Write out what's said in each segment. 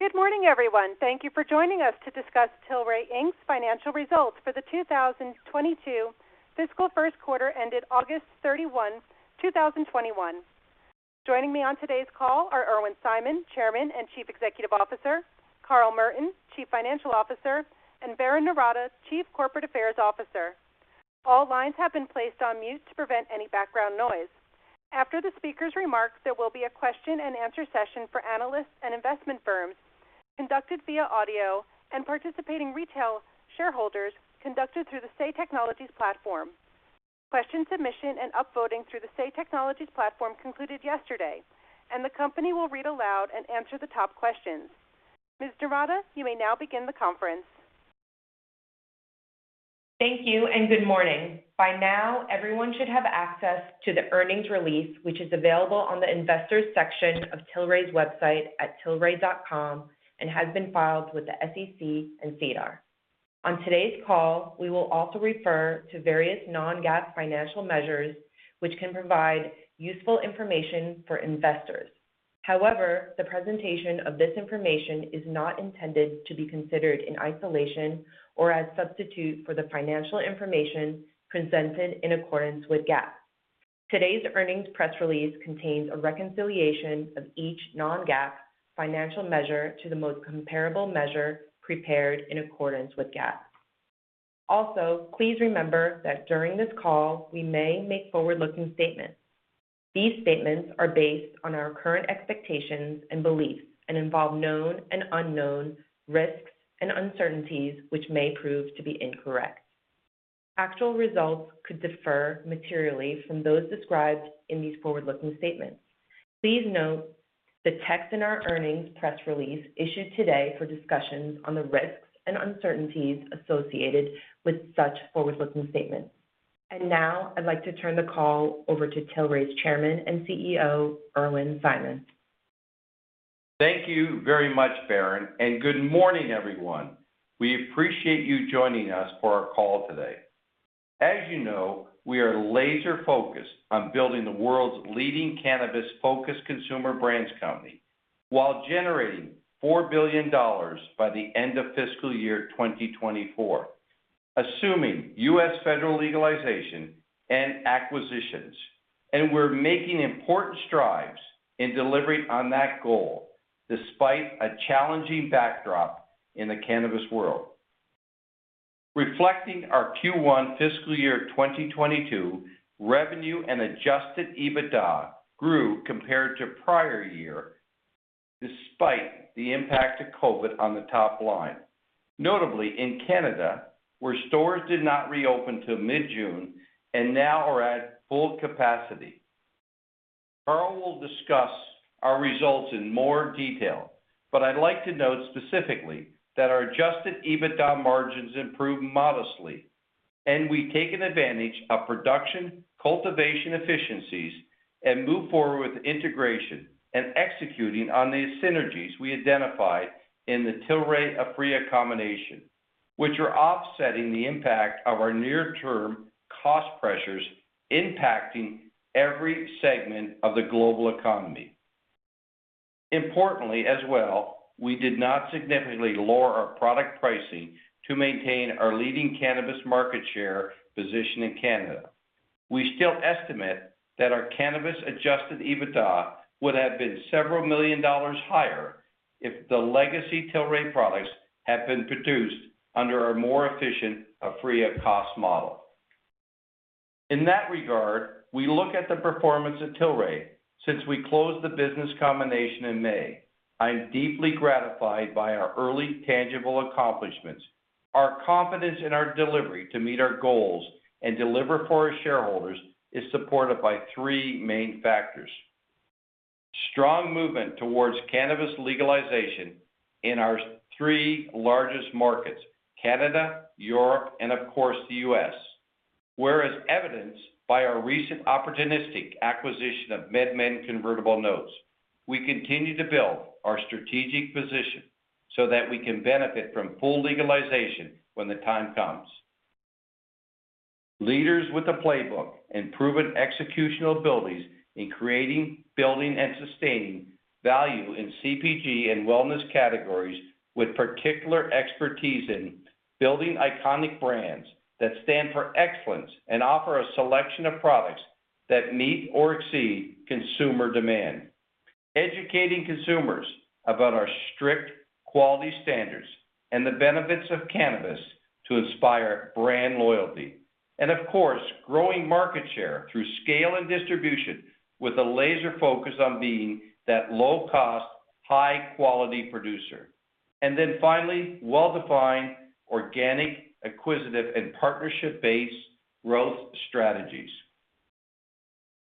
Good morning, everyone. Thank you for joining us to discuss Tilray, Inc.'s financial results for the 2022 fiscal Q1 ended August 31st, 2021. Joining me on today's call are Irwin Simon, Chairman and Chief Executive Officer, Carl Merton, Chief Financial Officer, and Berrin Noorata, Chief Corporate Affairs Officer. After the speaker's remarks, there will be a question and answer session for analysts and investment firms conducted via audio, and participating retail shareholders conducted through the Say Technologies platform. Question submission and upvoting through the Say Technologies platform concluded yesterday, and the company will read aloud and answer the top questions. Ms. Noorata, you may now begin the conference. Thank you, and good morning. By now, everyone should have access to the earnings release, which is available on the investors section of Tilray's website at tilray.com, and has been filed with the SEC and SEDAR. On today's call, we will also refer to various non-GAAP financial measures which can provide useful information for investors. The presentation of this information is not intended to be considered in isolation or as substitute for the financial information presented in accordance with GAAP. Today's earnings press release contains a reconciliation of each non-GAAP financial measure to the most comparable measure prepared in accordance with GAAP. Please remember that during this call, we may make forward-looking statements. These statements are based on our current expectations and beliefs and involve known and unknown risks and uncertainties, which may prove to be incorrect. Actual results could differ materially from those described in these forward-looking statements. Please note the text in our earnings press release issued today for discussions on the risks and uncertainties associated with such forward-looking statements. Now I'd like to turn the call over to Tilray's Chairman and CEO, Irwin Simon. Thank you very much, Berrin Noorata, and good morning, everyone. We appreciate you joining us for our call today. As you know, we are laser-focused on building the world's leading cannabis-focused consumer brands company while generating $4 billion by the end of fiscal year 2024, assuming U.S. federal legalization and acquisitions. We're making important strides in delivering on that goal, despite a challenging backdrop in the cannabis world. Reflecting our Q1 fiscal year 2022 revenue and adjusted EBITDA grew compared to prior year, despite the impact of COVID on the top line, notably in Canada, where stores did not reopen till mid-June and now are at full capacity. Carl will discuss our results in more detail, but I'd like to note specifically that our adjusted EBITDA margins improved modestly, and we've taken advantage of production cultivation efficiencies and moved forward with integration and executing on the synergies we identified in the Tilray-Aphria combination, which are offsetting the impact of our near-term cost pressures impacting every segment of the global economy. Importantly as well, we did not significantly lower our product pricing to maintain our leading cannabis market share position in Canada. We still estimate that our cannabis-adjusted EBITDA would have been several million dollars higher if the legacy Tilray products had been produced under our more efficient Aphria cost model. In that regard, we look at the performance of Tilray since we closed the business combination in May. I am deeply gratified by our early tangible accomplishments. Our confidence in our delivery to meet our goals and deliver for our shareholders is supported by three main factors. Strong movement towards cannabis legalization in our three largest markets, Canada, Europe, and of course, the U.S. Evidenced by our recent opportunistic acquisition of MedMen convertible notes, we continue to build our strategic position so that we can benefit from full legalization when the time comes. Leaders with a playbook and proven executional abilities in creating, building, and sustaining value in CPG and wellness categories with particular expertise in building iconic brands that stand for excellence and offer a selection of products that meet or exceed consumer demand. Educating consumers about our strict quality standards and the benefits of cannabis to inspire brand loyalty. Of course, growing market share through scale and distribution with a laser focus on being that low-cost, high-quality producer. Finally, well-defined organic, acquisitive, and partnership-based growth strategies.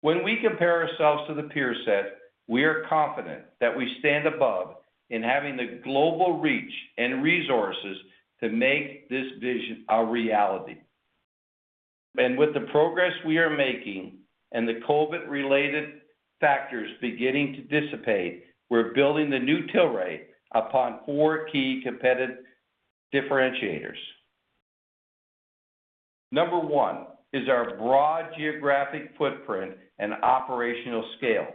When we compare ourselves to the peer set, we are confident that we stand above in having the global reach and resources to make this vision a reality. With the progress we are making and the COVID-related factors beginning to dissipate, we're building the new Tilray upon four key competitive differentiators. Number one is our broad geographic footprint and operational scale.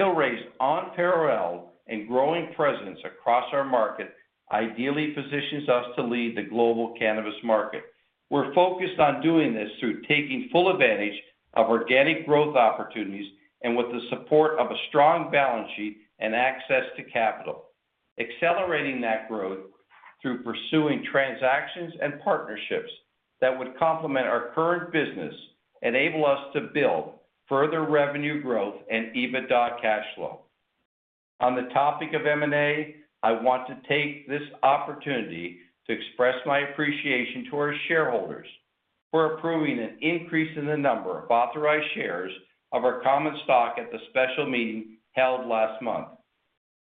Tilray's unparalleled and growing presence across our market ideally positions us to lead the global cannabis market. We're focused on doing this through taking full advantage of organic growth opportunities and with the support of a strong balance sheet and access to capital. Accelerating that growth through pursuing transactions and partnerships that would complement our current business, enable us to build further revenue growth and EBITDA cash flow. On the topic of M&A, I want to take this opportunity to express my appreciation to our shareholders for approving an increase in the number of authorized shares of our common stock at the special meeting held last month.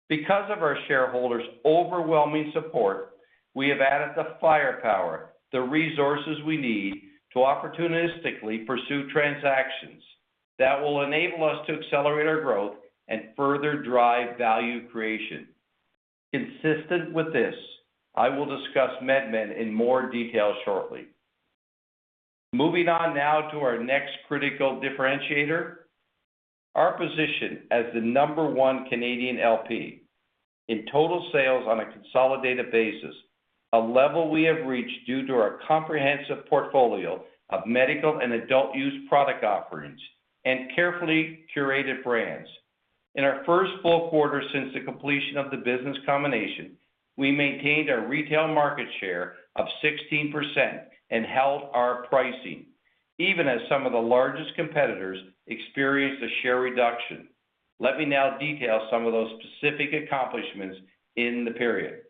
Because of our shareholders' overwhelming support, we have added the firepower, the resources we need to opportunistically pursue transactions that will enable us to accelerate our growth and further drive value creation. Consistent with this, I will discuss MedMen in more detail shortly. Moving on now to our next critical differentiator, our position as the number one Canadian LP in total sales on a consolidated basis, a level we have reached due to our comprehensive portfolio of medical and adult use product offerings and carefully curated brands. In our full Q1 since the completion of the business combination, we maintained our retail market share of 16% and held our pricing, even as some of the largest competitors experienced a share reduction. Let me now detail some of those specific accomplishments in the period.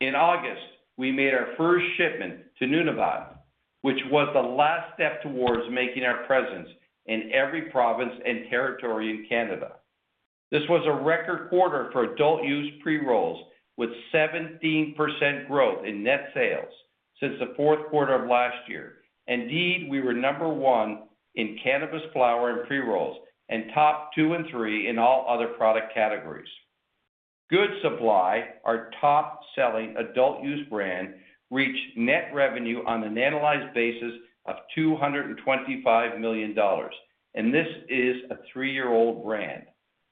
In August, we made our first shipment to Nunavut, which was the last step towards making our presence in every province and territory in Canada. This was a record quarter for adult use pre-rolls, with 17% growth in net sales since the fourth quarter of last year. Indeed, we were number one in cannabis flower and pre-rolls, and top two and three in all other product categories. Good Supply, our top-selling adult-use brand, reached net revenue on an analyzed basis of $225 million. This is a three year-old brand.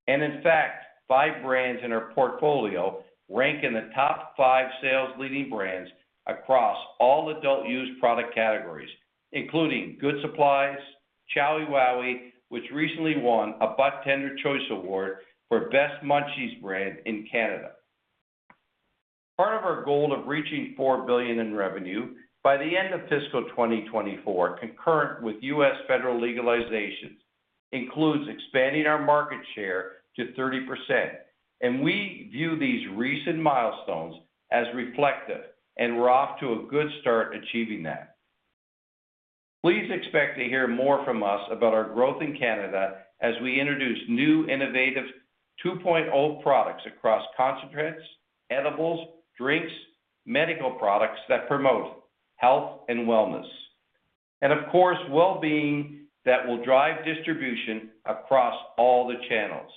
In fact, five brands in our portfolio rank in the top five sales-leading brands across all adult use product categories, including Good Supply, Chowie Wowie, which recently won a Budtenders Choice Awards for best munchies brand in Canada. Part of our goal of reaching $4 billion in revenue by the end of fiscal 2024, concurrent with U.S. federal legalization, includes expanding our market share to 30%. We view these recent milestones as reflective, and we're off to a good start achieving that. Please expect to hear more from us about our growth in Canada as we introduce new, innovative 2.0 products across concentrates, edibles, drinks, medical products that promote health and wellness. Of course, wellbeing that will drive distribution across all the channels.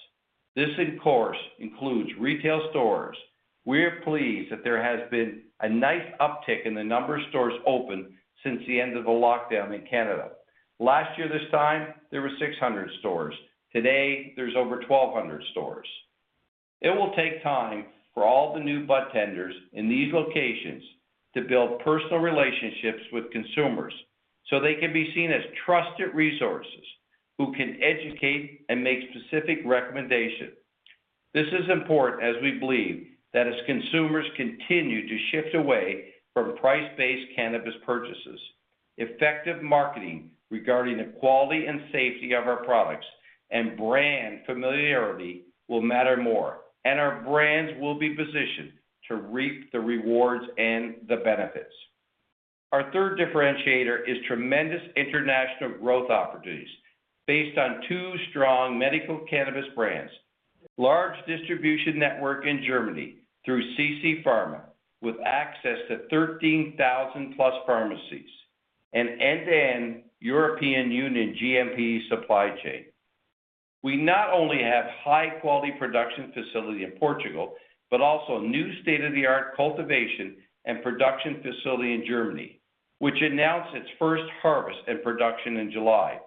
This, of course, includes retail stores. We are pleased that there has been a nice uptick in the number of stores open since the end of the lockdown in Canada. Last year, this time, there were 600 stores. Today, there's over 1,200 stores. It will take time for all the new budtenders in these locations to build personal relationships with consumers so they can be seen as trusted resources who can educate and make specific recommendations. This is important as we believe that as consumers continue to shift away from price-based cannabis purchases, effective marketing regarding the quality and safety of our products and brand familiarity will matter more, and our brands will be positioned to reap the rewards and the benefits. Our third differentiator is tremendous international growth opportunities based on two strong medical cannabis brands, large distribution network in Germany through CC Pharma with access to 13,000-plus pharmacies, an end-to-end European Union GMP supply chain. We not only have high-quality production facility in Portugal, but also a new state-of-the-art cultivation and production facility in Germany, which announced its first harvest and production in July.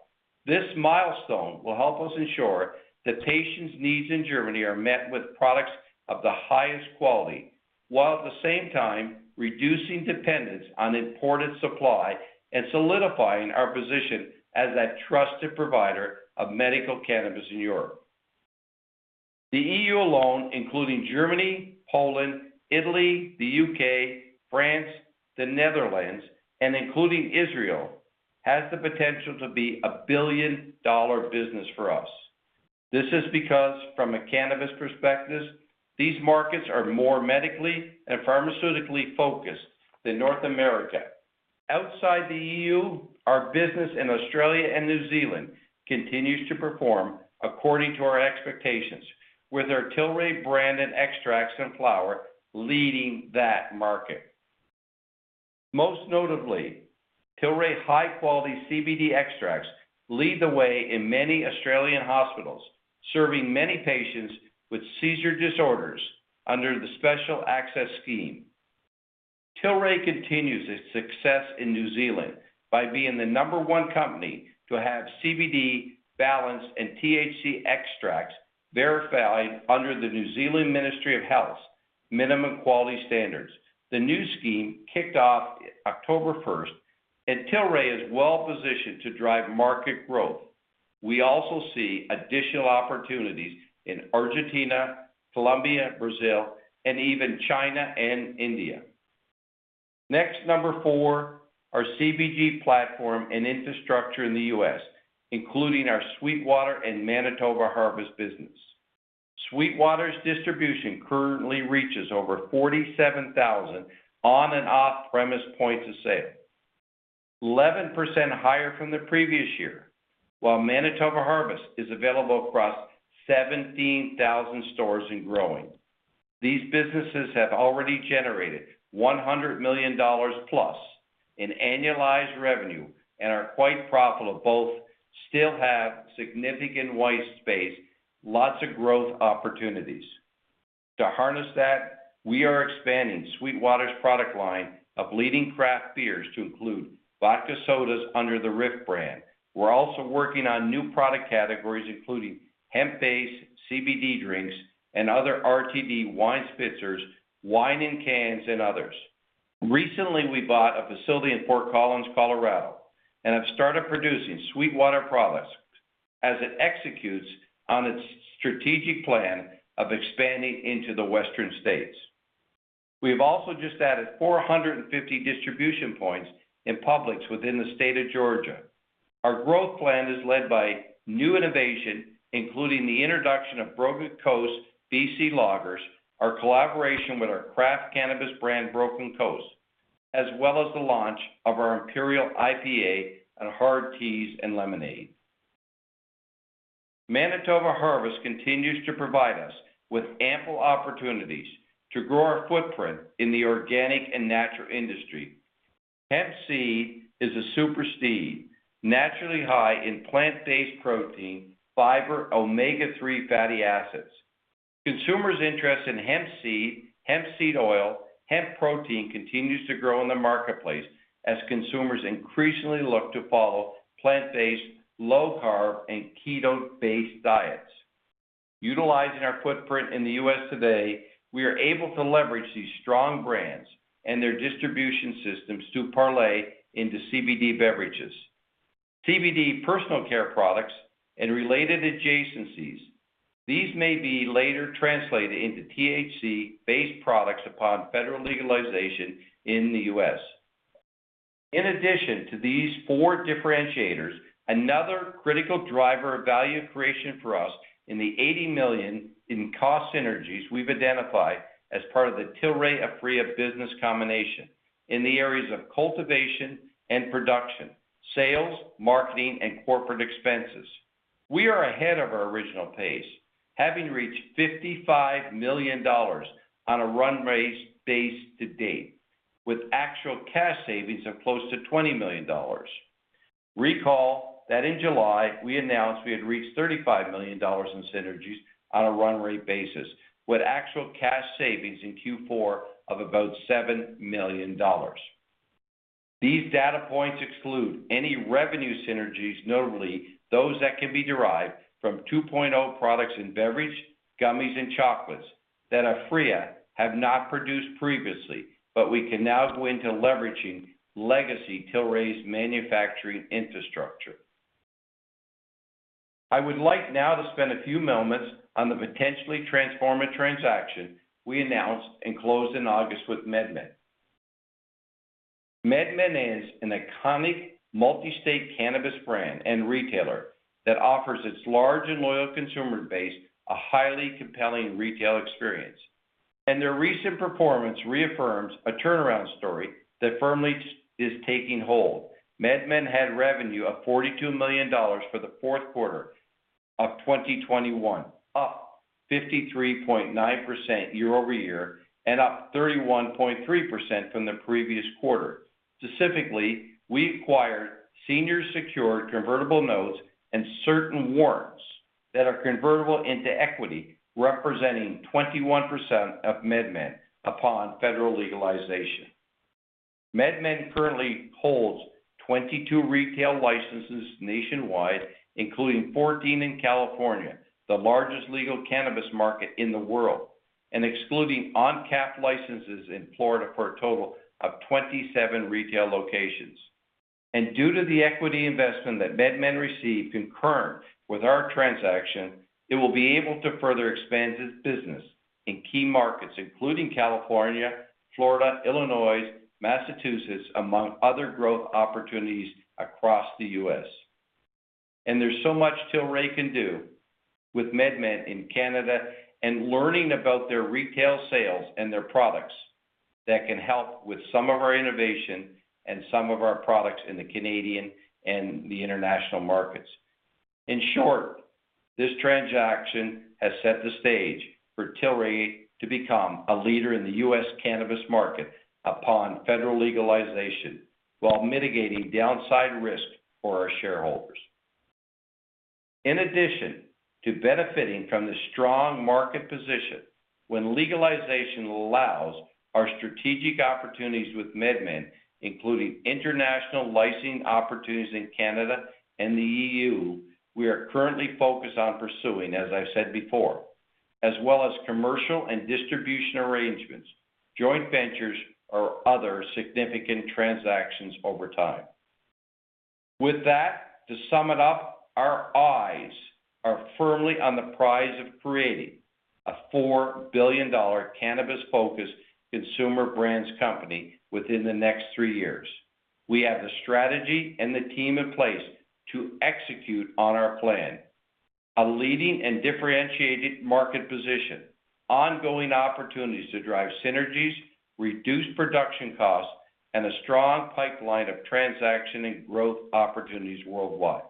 This milestone will help us ensure that patients' needs in Germany are met with products of the highest quality, while at the same time reducing dependence on imported supply and solidifying our position as a trusted provider of medical cannabis in Europe. The EU alone, including Germany, Poland, Italy, the U.K., France, the Netherlands, and including Israel, has the potential to be a billion-dollar business for us. This is because from a cannabis perspective, these markets are more medically and pharmaceutically focused than North America. Outside the EU, our business in Australia and New Zealand continues to perform according to our expectations with our Tilray brand and extracts and flower leading that market. Most notably, Tilray high-quality CBD extracts lead the way in many Australian hospitals, serving many patients with seizure disorders under the Special Access Program. Tilray continues its success in New Zealand by being the number one company to have CBD balance and THC extracts verified under the New Zealand Ministry of Health minimum quality standards. The new scheme kicked off October 1st, and Tilray is well-positioned to drive market growth. We also see additional opportunities in Argentina, Colombia, Brazil, and even China and India. Next, Number four, our CPG platform and infrastructure in the U.S., including our SweetWater and Manitoba Harvest business. SweetWater's distribution currently reaches over 47,000 on and off-premise points of sale, 11% higher from the previous year, while Manitoba Harvest is available across 17,000 stores and growing. These businesses have already generated $100 million plus in annualized revenue and are quite profitable. Both still have significant white space, lots of growth opportunities. To harness that, we are expanding SweetWater's product line of leading craft beers to include vodka sodas under the RIFF brand. We are also working on new product categories, including hemp-based CBD drinks and other RTD wine spritzers, wine in cans, and others. Recently, we bought a facility in Fort Collins, Colorado, and have started producing SweetWater products as it executes on its strategic plan of expanding into the Western states. We have also just added 450 distribution points in Publix within the state of Georgia. Our growth plan is led by new innovation, including the introduction of Broken Coast BC Lager, our collaboration with our craft cannabis brand, Broken Coast, as well as the launch of our Imperial IPA and hard teas and lemonade. Manitoba Harvest continues to provide us with ample opportunities to grow our footprint in the organic and natural industry. Hemp seed is a super seed, naturally high in plant-based protein, fiber, omega-three fatty acids. Consumers' interest in hemp seed, hemp seed oil, hemp protein continues to grow in the marketplace as consumers increasingly look to follow plant-based, low-carb, and keto-based diets. Utilizing our footprint in the U.S. today, we are able to leverage these strong brands and their distribution systems to parlay into CBD beverages, CBD personal care products, and related adjacencies. These may be later translated into THC-based products upon federal legalization in the U.S. In addition to these four differentiators, another critical driver of value creation for us in the $80 million in cost synergies we've identified as part of the Tilray-Aphria business combination in the areas of cultivation and production, sales, marketing, and corporate expenses. We are ahead of our original pace, having reached $55 million on a run rate base to date, with actual cash savings of close to $20 million. Recall that in July, we announced we had reached $35 million in synergies on a run rate basis, with actual cash savings in Q4 of about $7 million. These data points exclude any revenue synergies, notably those that can be derived from 2.0 products in beverage, gummies, and chocolates that Aphria have not produced previously, but we can now go into leveraging legacy Tilray's manufacturing infrastructure. I would like now to spend a few moments on the potentially transformative transaction we announced and closed in August with MedMen. MedMen is an iconic multi-state cannabis brand and retailer that offers its large and loyal consumer base a highly compelling retail experience. Their recent performance reaffirms a turnaround story that firmly is taking hold. MedMen had revenue of $42 million for the Q4 of 2021, up 53.9% year-over-year and up 31.3% from the previous quarter. Specifically, we acquired senior secured convertible notes and certain warrants that are convertible into equity representing 21% of MedMen upon federal legalization. MedMen currently holds 22 retail licenses nationwide, including 14 in California, the largest legal cannabis market in the world, and excluding capped licenses in Florida for a total of 27 retail locations. Due to the equity investment that MedMen received concurrent with our transaction, it will be able to further expand its business in key markets, including California, Florida, Illinois, Massachusetts, among other growth opportunities across the U.S. There's so much Tilray can do with MedMen in Canada and learning about their retail sales and their products that can help with some of our innovation and some of our products in the Canadian and the international markets. In short, this transaction has set the stage for Tilray to become a leader in the U.S. cannabis market upon federal legalization while mitigating downside risk for our shareholders. In addition to benefiting from the strong market position when legalization allows our strategic opportunities with MedMen, including international licensing opportunities in Canada and the EU, we are currently focused on pursuing, as I've said before, as well as commercial and distribution arrangements, joint ventures, or other significant transactions over time. With that, to sum it up, our eyes are firmly on the prize of creating a $4 billion cannabis-focused consumer brands company within the next three years. We have the strategy and the team in place to execute on our plan. A leading and differentiated market position, ongoing opportunities to drive synergies, reduce production costs, and a strong pipeline of transaction and growth opportunities worldwide.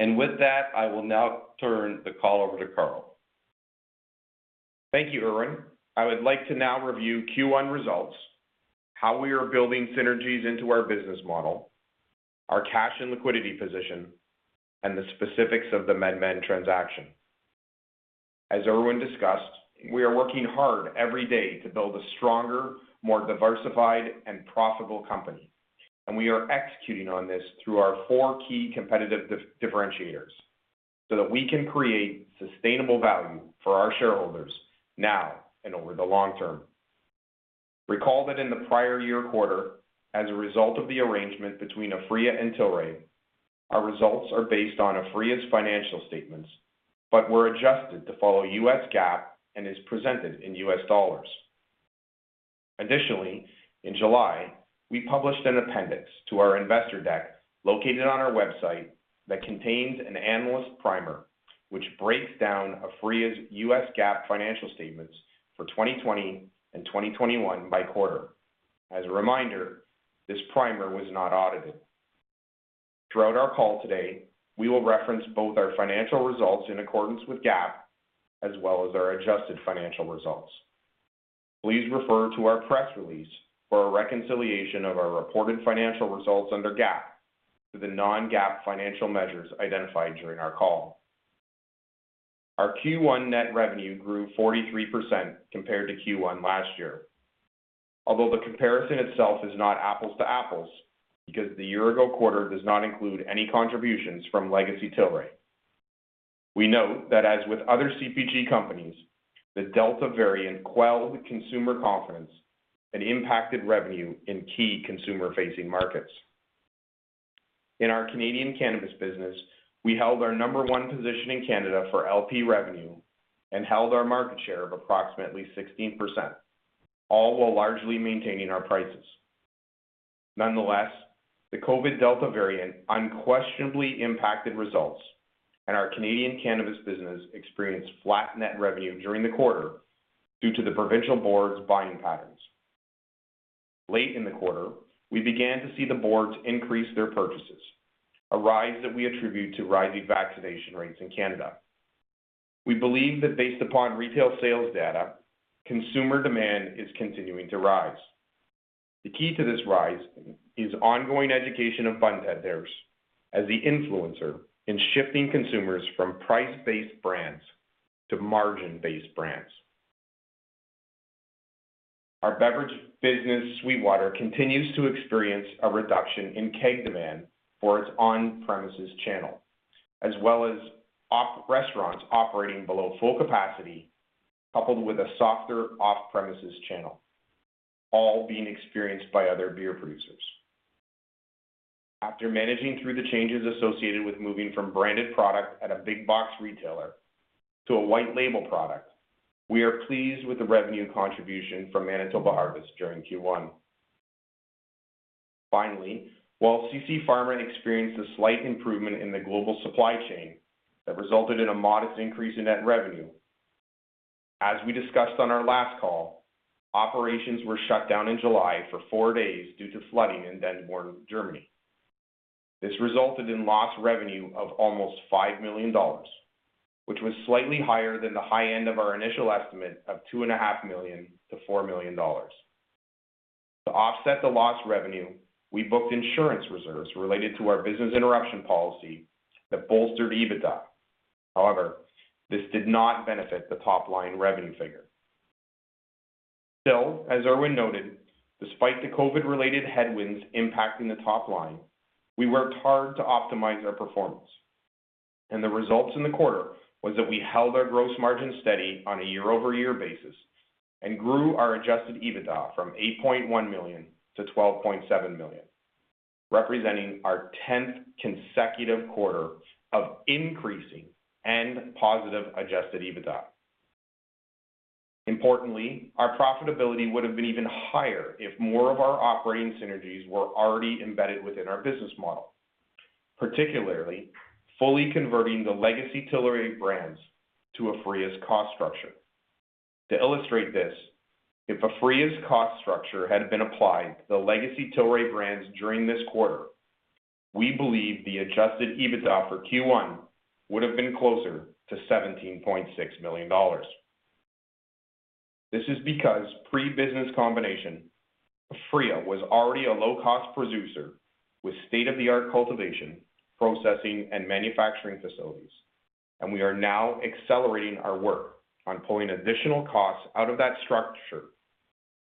With that, I will now turn the call over to Carl. Thank you, Irwin. I would like to now review Q1 results, how we are building synergies into our business model, our cash and liquidity position, and the specifics of the MedMen transaction. As Irwin discussed, we are working hard every day to build a stronger, more diversified, and profitable company. We are executing on this through our four key competitive differentiators so that we can create sustainable value for our shareholders now and over the long term. Recall that in the prior year quarter, as a result of the arrangement between Aphria and Tilray, our results are based on Aphria's financial statements, but were adjusted to follow US GAAP and is presented in US dollars. Additionally, in July, we published an appendix to our investor deck located on our website that contains an analyst primer, which breaks down Aphria's US GAAP financial statements for 2020 and 2021 by quarter. As a reminder, this primer was not audited. Throughout our call today, we will reference both our financial results in accordance with GAAP, as well as our adjusted financial results. Please refer to our press release for a reconciliation of our reported financial results under GAAP to the non-GAAP financial measures identified during our call. Our Q1 net revenue grew 43% compared to Q1 last year. Although the comparison itself is not apples to apples, because the year-ago quarter does not include any contributions from legacy Tilray. We note that as with other CPG companies, the Delta variant quelled consumer confidence and impacted revenue in key consumer-facing markets. In our Canadian cannabis business, we held our number one position in Canada for LP revenue and held our market share of approximately 16%, all while largely maintaining our prices. Nonetheless, the COVID Delta variant unquestionably impacted results, and our Canadian cannabis business experienced flat net revenue during the quarter due to the provincial boards' buying patterns. Late in the quarter, we began to see the boards increase their purchases, a rise that we attribute to rising vaccination rates in Canada. We believe that based upon retail sales data, consumer demand is continuing to rise. The key to this rise is ongoing education of budtenders as the influencer in shifting consumers from price-based brands to margin-based brands. Our beverage business, SweetWater, continues to experience a reduction in keg demand for its on-premises channel, as well as off restaurants operating below full capacity, coupled with a softer off-premises channel, all being experienced by other beer producers. After managing through the changes associated with moving from branded product at a big box retailer to a white label product, we are pleased with the revenue contribution from Manitoba Harvest during Q1. While CC Pharma experienced a slight improvement in the global supply chain that resulted in a modest increase in net revenue, as we discussed on our last call, operations were shut down in July for four days due to flooding in Denborn, Germany. This resulted in lost revenue of almost $5 million, which was slightly higher than the high end of our initial estimate of $2.5 million-$4 million. To offset the lost revenue, we booked insurance reserves related to our business interruption policy that bolstered EBITDA. This did not benefit the top-line revenue figure. Still, as Irwin noted, despite the COVID-related headwinds impacting the top line, we worked hard to optimize our performance. The results in the quarter was that we held our gross margin steady on a year-over-year basis and grew our adjusted EBITDA from $8.1 million - $12.7 million, representing our 10th consecutive quarter of increasing and positive adjusted EBITDA. Importantly, our profitability would have been even higher if more of our operating synergies were already embedded within our business model, particularly fully converting the legacy Tilray Brands to Aphria's cost structure. To illustrate this, if Aphria's cost structure had been applied to the legacy Tilray Brands during this quarter, we believe the adjusted EBITDA for Q1 would have been closer to $17.6 million. We believe this is because pre-business combination, Aphria was already a low-cost producer with state-of-the-art cultivation, processing, and manufacturing facilities, and we are now accelerating our work on pulling additional costs out of that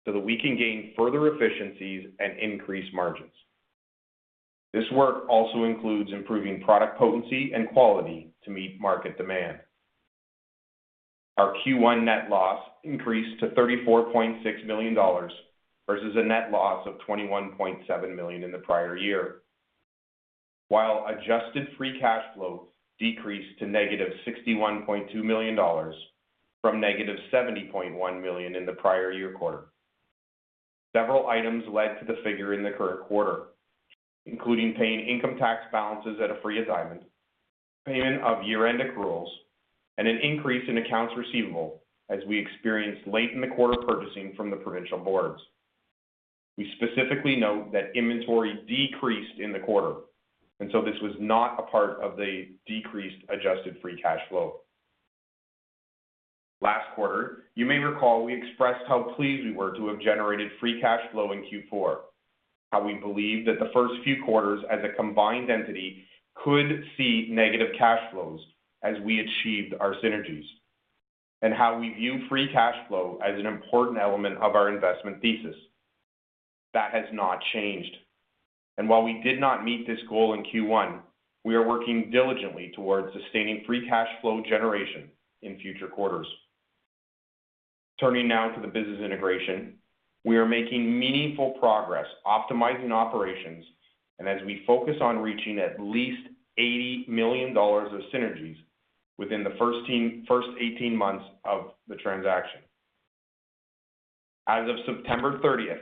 structure so that we can gain further efficiencies and increase margins. This work also includes improving product potency and quality to meet market demand. Our Q1 net loss increased to $34.6 million versus a net loss of $21.7 million in the prior year. Adjusted free cash flow decreased to negative $61.2 million from negative $70.1 million in the prior year quarter. Several items led to the figure in the current quarter, including paying income tax balances at Aphria Diamond, payment of year-end accruals, and an increase in accounts receivable as we experienced late-in-the-quarter purchasing from the provincial boards. We specifically note that inventory decreased in the quarter, this was not a part of the decreased adjusted free cash flow. Last quarter, you may recall we expressed how pleased we were to have generated free cash flow in Q4, how we believe that the first few quarters as a combined entity could see negative cash flows as we achieved our synergies, and how we view free cash flow as an important element of our investment thesis. That has not changed. While we did not meet this goal in Q1, we are working diligently towards sustaining free cash flow generation in future quarters. Turning now to the business integration. We are making meaningful progress optimizing operations, and as we focus on reaching at least $80 million of synergies within the first 18 months of the transaction. As of September 30th,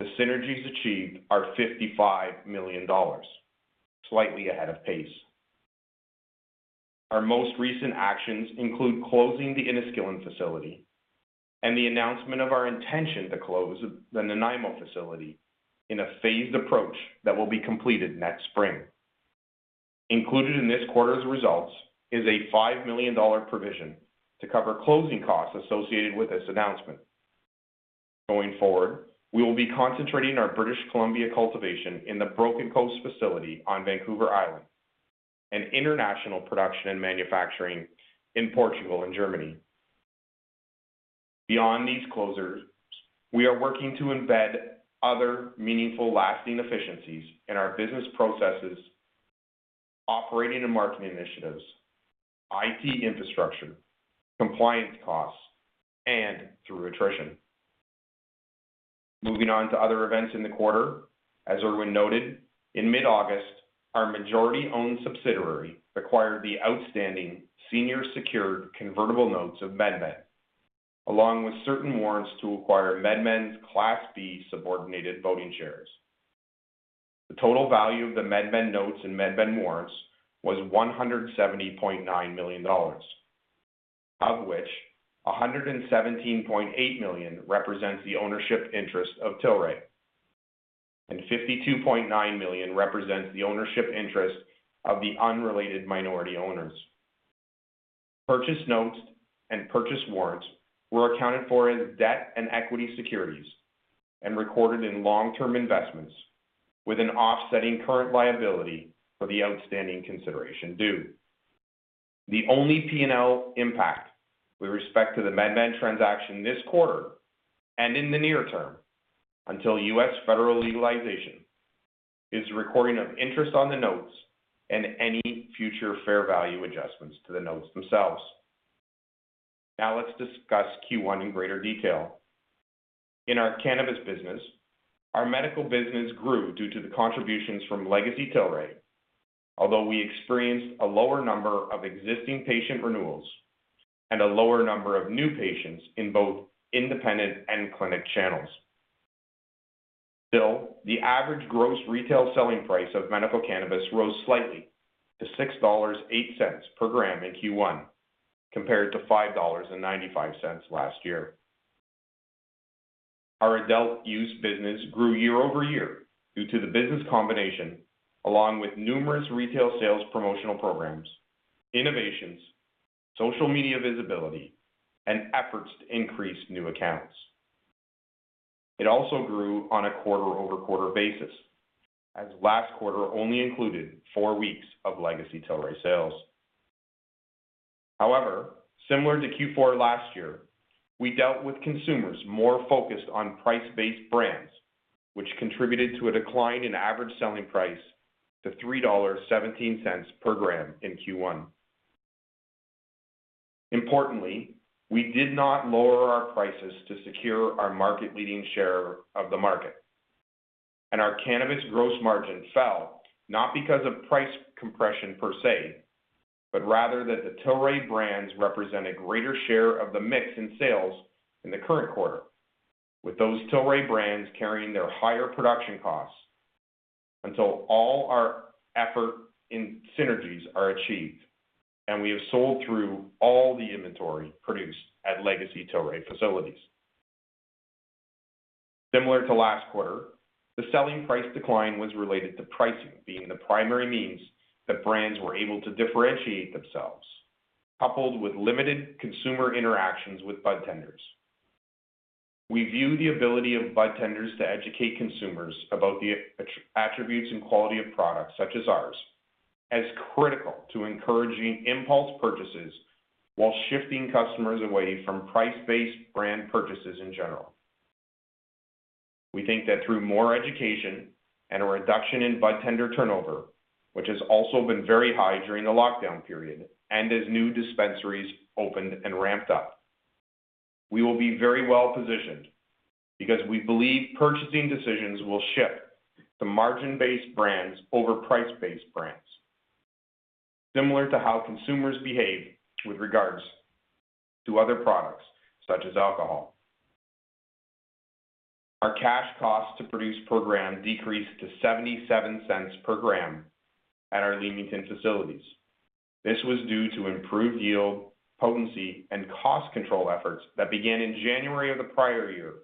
the synergies achieved are $55 million, slightly ahead of pace. Our most recent actions include closing the Enniskillen facility and the announcement of our intention to close the Nanaimo facility in a phased approach that will be completed next spring. Included in this quarter's results is a $5 million provision to cover closing costs associated with this announcement. Going forward, we will be concentrating our British Columbia cultivation in the Broken Coast facility on Vancouver Island, and international production and manufacturing in Portugal and Germany. Beyond these closures, we are working to embed other meaningful, lasting efficiencies in our business processes, operating and marketing initiatives, IT infrastructure, compliance costs, and through attrition. Moving on to other events in the quarter, as Irwin noted, in mid-August, our majority-owned subsidiary acquired the outstanding senior secured convertible notes of MedMen, along with certain warrants to acquire MedMen's Class B subordinated voting shares. The total value of the MedMen notes and MedMen warrants was $170.9 million, of which $117.8 million represents the ownership interest of Tilray, and $52.9 million represents the ownership interest of the unrelated minority owners. Purchased notes and purchased warrants were accounted for as debt and equity securities and recorded in long-term investments with an offsetting current liability for the outstanding consideration due. The only P&L impact with respect to the MedMen transaction this quarter and in the near term, until U.S. federal legalization, is recording of interest on the notes and any future fair value adjustments to the notes themselves. Let's discuss Q1 in greater detail. In our cannabis business, our medical business grew due to the contributions from Legacy Tilray, although we experienced a lower number of existing patient renewals and a lower number of new patients in both independent and clinic channels. The average gross retail selling price of medical cannabis rose slightly to $6.08 per gram in Q1 compared to $5.95 last year. Our adult use business grew year-over-year due to the business combination, along with numerous retail sales promotional programs, innovations, social media visibility, and efforts to increase new accounts. It also grew on a quarter-over-quarter basis, as last quarter only included four weeks of Legacy Tilray sales. Similar to Q4 last year, we dealt with consumers more focused on price-based brands, which contributed to a decline in average selling price to $3.17 per gram in Q1. Importantly, we did not lower our prices to secure our market-leading share of the market. Our cannabis gross margin fell, not because of price compression per se, but rather that the Tilray Brands represent a greater share of the mix in sales in the current quarter with those Tilray Brands carrying their higher production costs until all our effort in synergies are achieved and we have sold through all the inventory produced at Legacy Tilray facilities. Similar to last quarter, the selling price decline was related to pricing being the primary means that brands were able to differentiate themselves, coupled with limited consumer interactions with budtenders. We view the ability of budtenders to educate consumers about the attributes and quality of products such as ours as critical to encouraging impulse purchases while shifting customers away from price-based brand purchases in general. We think that through more education and a reduction in budtender turnover, which has also been very high during the lockdown period, and as new dispensaries opened and ramped up, we will be very well-positioned because we believe purchasing decisions will shift to margin-based brands over price-based brands, similar to how consumers behave with regards to other products such as alcohol. Our cash cost to produce per gram decreased to $0.77 per gram at our Leamington facilities. This was due to improved yield, potency, and cost control efforts that began in January of the prior year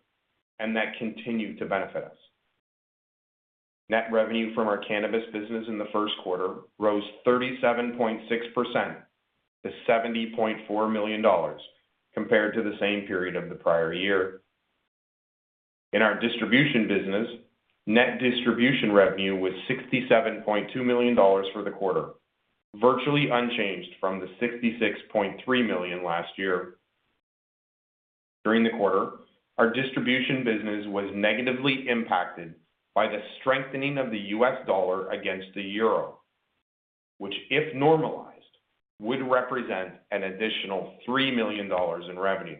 and that continue to benefit us. Net revenue from our cannabis business in the first quarter rose 37.6% - $70.4 million compared to the same period of the prior year. In our distribution business, net distribution revenue was $67.2 million for the quarter, virtually unchanged from the $66.3 million last year. During the quarter, our distribution business was negatively impacted by the strengthening of the US dollar against the euro, which if normalized, would represent an additional $3 million in revenue.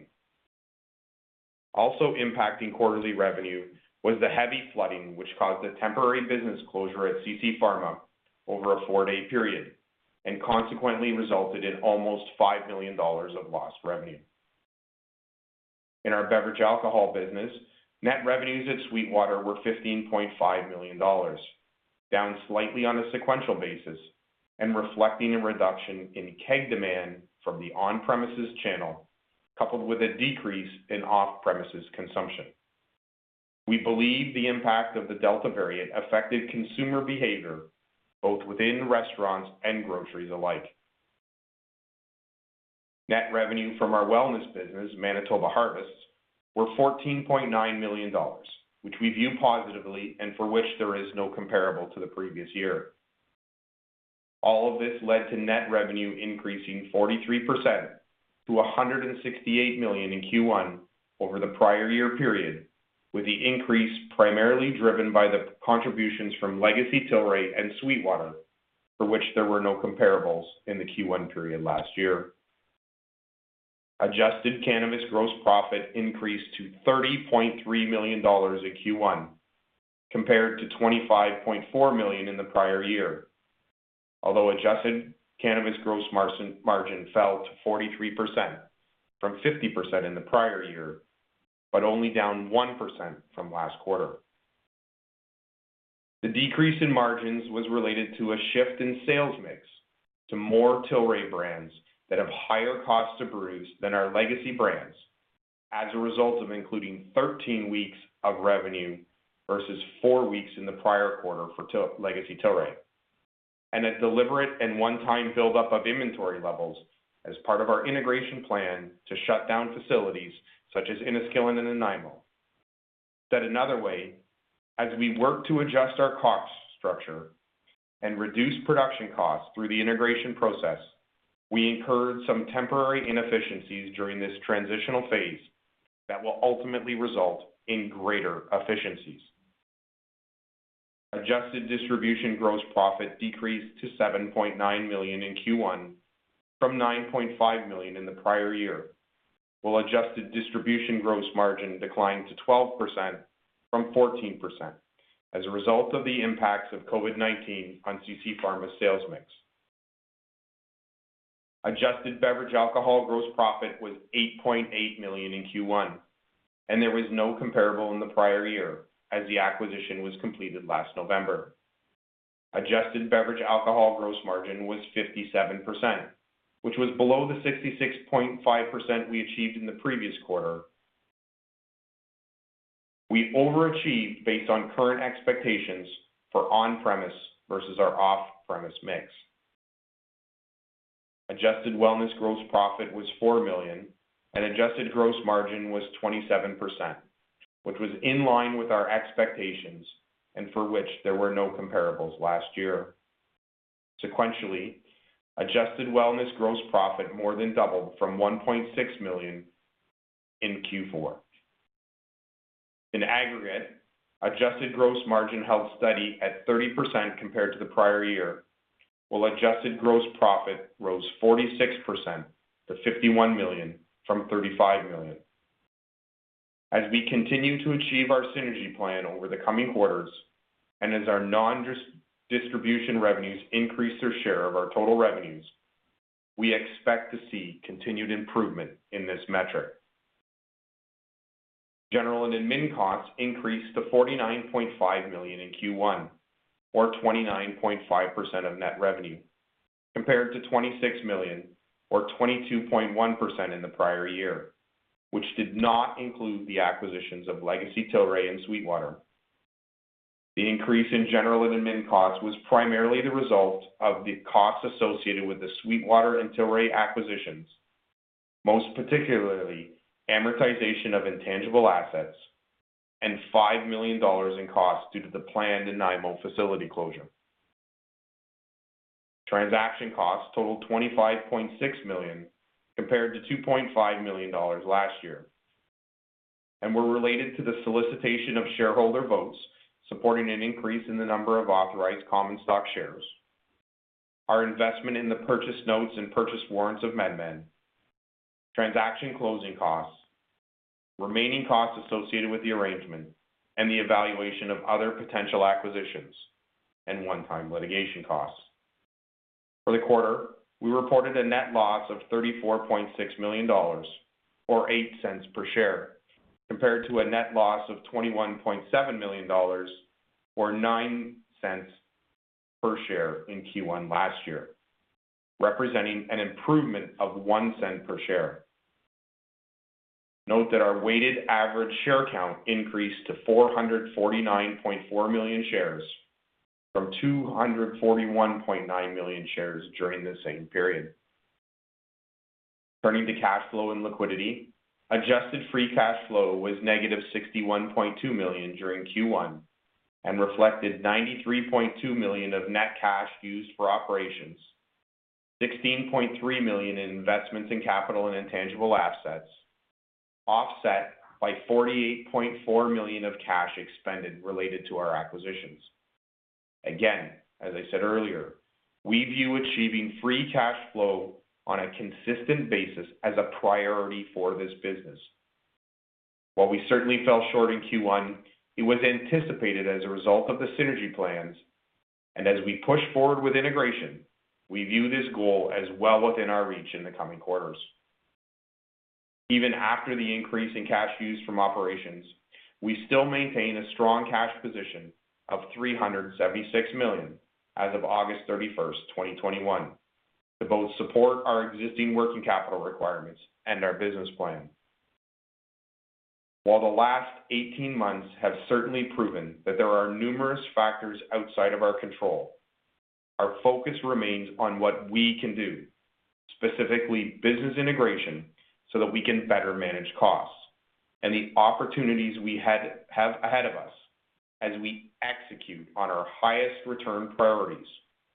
Also impacting quarterly revenue was the heavy flooding, which caused a temporary business closure at CC Pharma over a four-day period and consequently resulted in almost $5 million of lost revenue. In our beverage alcohol business, net revenues at SweetWater were $15.5 million, down slightly on a sequential basis and reflecting a reduction in keg demand from the on-premises channel, coupled with a decrease in off-premises consumption. We believe the impact of the Delta variant affected consumer behavior both within restaurants and groceries alike. Net revenue from our wellness business, Manitoba Harvest, were $14.9 million, which we view positively and for which there is no comparable to the previous year. All of this led to net revenue increasing 43% to $168 million in Q1 over the prior year period, with the increase primarily driven by the contributions from Legacy Tilray and SweetWater, for which there were no comparables in the Q1 period last year. Adjusted cannabis gross profit increased to $30.3 million in Q1 compared to $25.4 million in the prior year. Although adjusted cannabis gross margin fell to 43% from 50% in the prior year, but only down one percent from last quarter. The decrease in margins was related to a shift in sales mix to more Tilray brands that have higher cost to produce than our Legacy brands as a result of including 13 weeks of revenue versus four weeks in the prior quarter for Legacy Tilray. A deliberate and one-time buildup of inventory levels as part of our integration plan to shut down facilities such as Enniskillen and Nanaimo. Said another way, as we work to adjust our cost structure and reduce production costs through the integration process, we incurred some temporary inefficiencies during this transitional phase that will ultimately result in greater efficiencies. Adjusted distribution gross profit decreased to $7.9 million in Q1 from $9.5 million in the prior year, while adjusted distribution gross margin declined to 12% from 14%, as a result of the impacts of COVID-19 on CC Pharma sales mix. Adjusted beverage alcohol gross profit was $8.8 million in Q1, and there was no comparable in the prior year as the acquisition was completed last November. Adjusted beverage alcohol gross margin was 57%, which was below the 66.5% we achieved in the previous quarter. We overachieved based on current expectations for on-premise versus our off-premise mix. Adjusted wellness gross profit was $4 million, and adjusted gross margin was 27%, which was in line with our expectations and for which there were no comparables last year. Sequentially, adjusted wellness gross profit more than doubled from $1.6 million in Q4. In aggregate, adjusted gross margin held steady at 30% compared to the prior year, while adjusted gross profit rose 46% to $51 million from $35 million. As we continue to achieve our synergy plan over the coming quarters, and as our non-distribution revenues increase their share of our total revenues, we expect to see continued improvement in this metric. General and Admin costs increased to $49.5 million in Q1, or 29.5% of net revenue. Compared to $26 million, or 22.1% in the prior year, which did not include the acquisitions of Legacy Tilray and SweetWater. The increase in general and admin costs was primarily the result of the costs associated with the SweetWater and Tilray acquisitions. Most particularly, amortization of intangible assets and $5 million in costs due to the planned Nanaimo facility closure. Transaction costs totaled $25.6 million, compared to $2.5 million last year, and were related to the solicitation of shareholder votes supporting an increase in the number of authorized common stock shares, our investment in the purchase notes and purchase warrants of MedMen, transaction closing costs, remaining costs associated with the arrangement, and the evaluation of other potential acquisitions, and one-time litigation costs. For the quarter, we reported a net loss of $34.6 million, or $0.08 per share, compared to a net loss of $21.7 million, or $0.09 per share in Q1 last year, representing an improvement of $0.01 per share. Note that our weighted average share count increased to 449.4 million shares from 241.9 million shares during the same period. Turning to cash flow and liquidity, adjusted free cash flow was negative $61.2 million during Q1, and reflected $93.2 million of net cash used for operations, $16.3 million in investments in capital and intangible assets, offset by $48.4 million of cash expended related to our acquisitions. Again, as I said earlier, we view achieving free cash flow on a consistent basis as a priority for this business. While we certainly fell short in Q1, it was anticipated as a result of the synergy plans, and as we push forward with integration, we view this goal as well within our reach in the coming quarters. Even after the increase in cash used from operations, we still maintain a strong cash position of $376 million as of August 31, 2021, to both support our existing working capital requirements and our business plan. While the last 18 months have certainly proven that there are numerous factors outside of our control, our focus remains on what we can do, specifically business integration, so that we can better manage costs. The opportunities we have ahead of us as we execute on our highest return priorities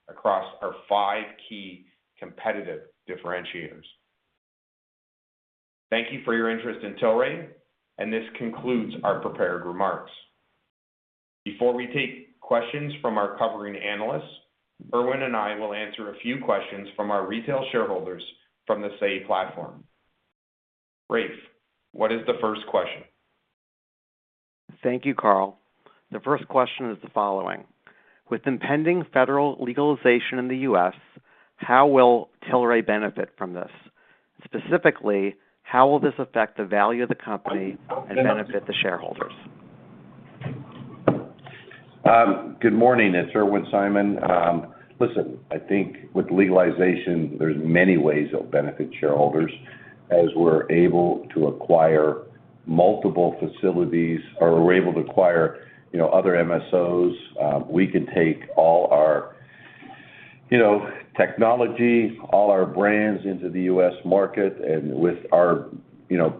across our five key competitive differentiators. Thank you for your interest in Tilray Brands, and this concludes our prepared remarks. Before we take questions from our covering analysts, Irwin Simon and I will answer a few questions from our retail shareholders from the Say platform. Raphael, what is the first question? Thank you, Carl. The first question is the following. With impending federal legalization in the U.S., how will Tilray benefit from this? Specifically, how will this affect the value of the company and benefit the shareholders? Good morning. It's Irwin Simon. Listen, I think with legalization, there's many ways it'll benefit shareholders as we're able to acquire multiple facilities, or we're able to acquire other MSOs. We can take all our technology, all our brands into the U.S. market, and with our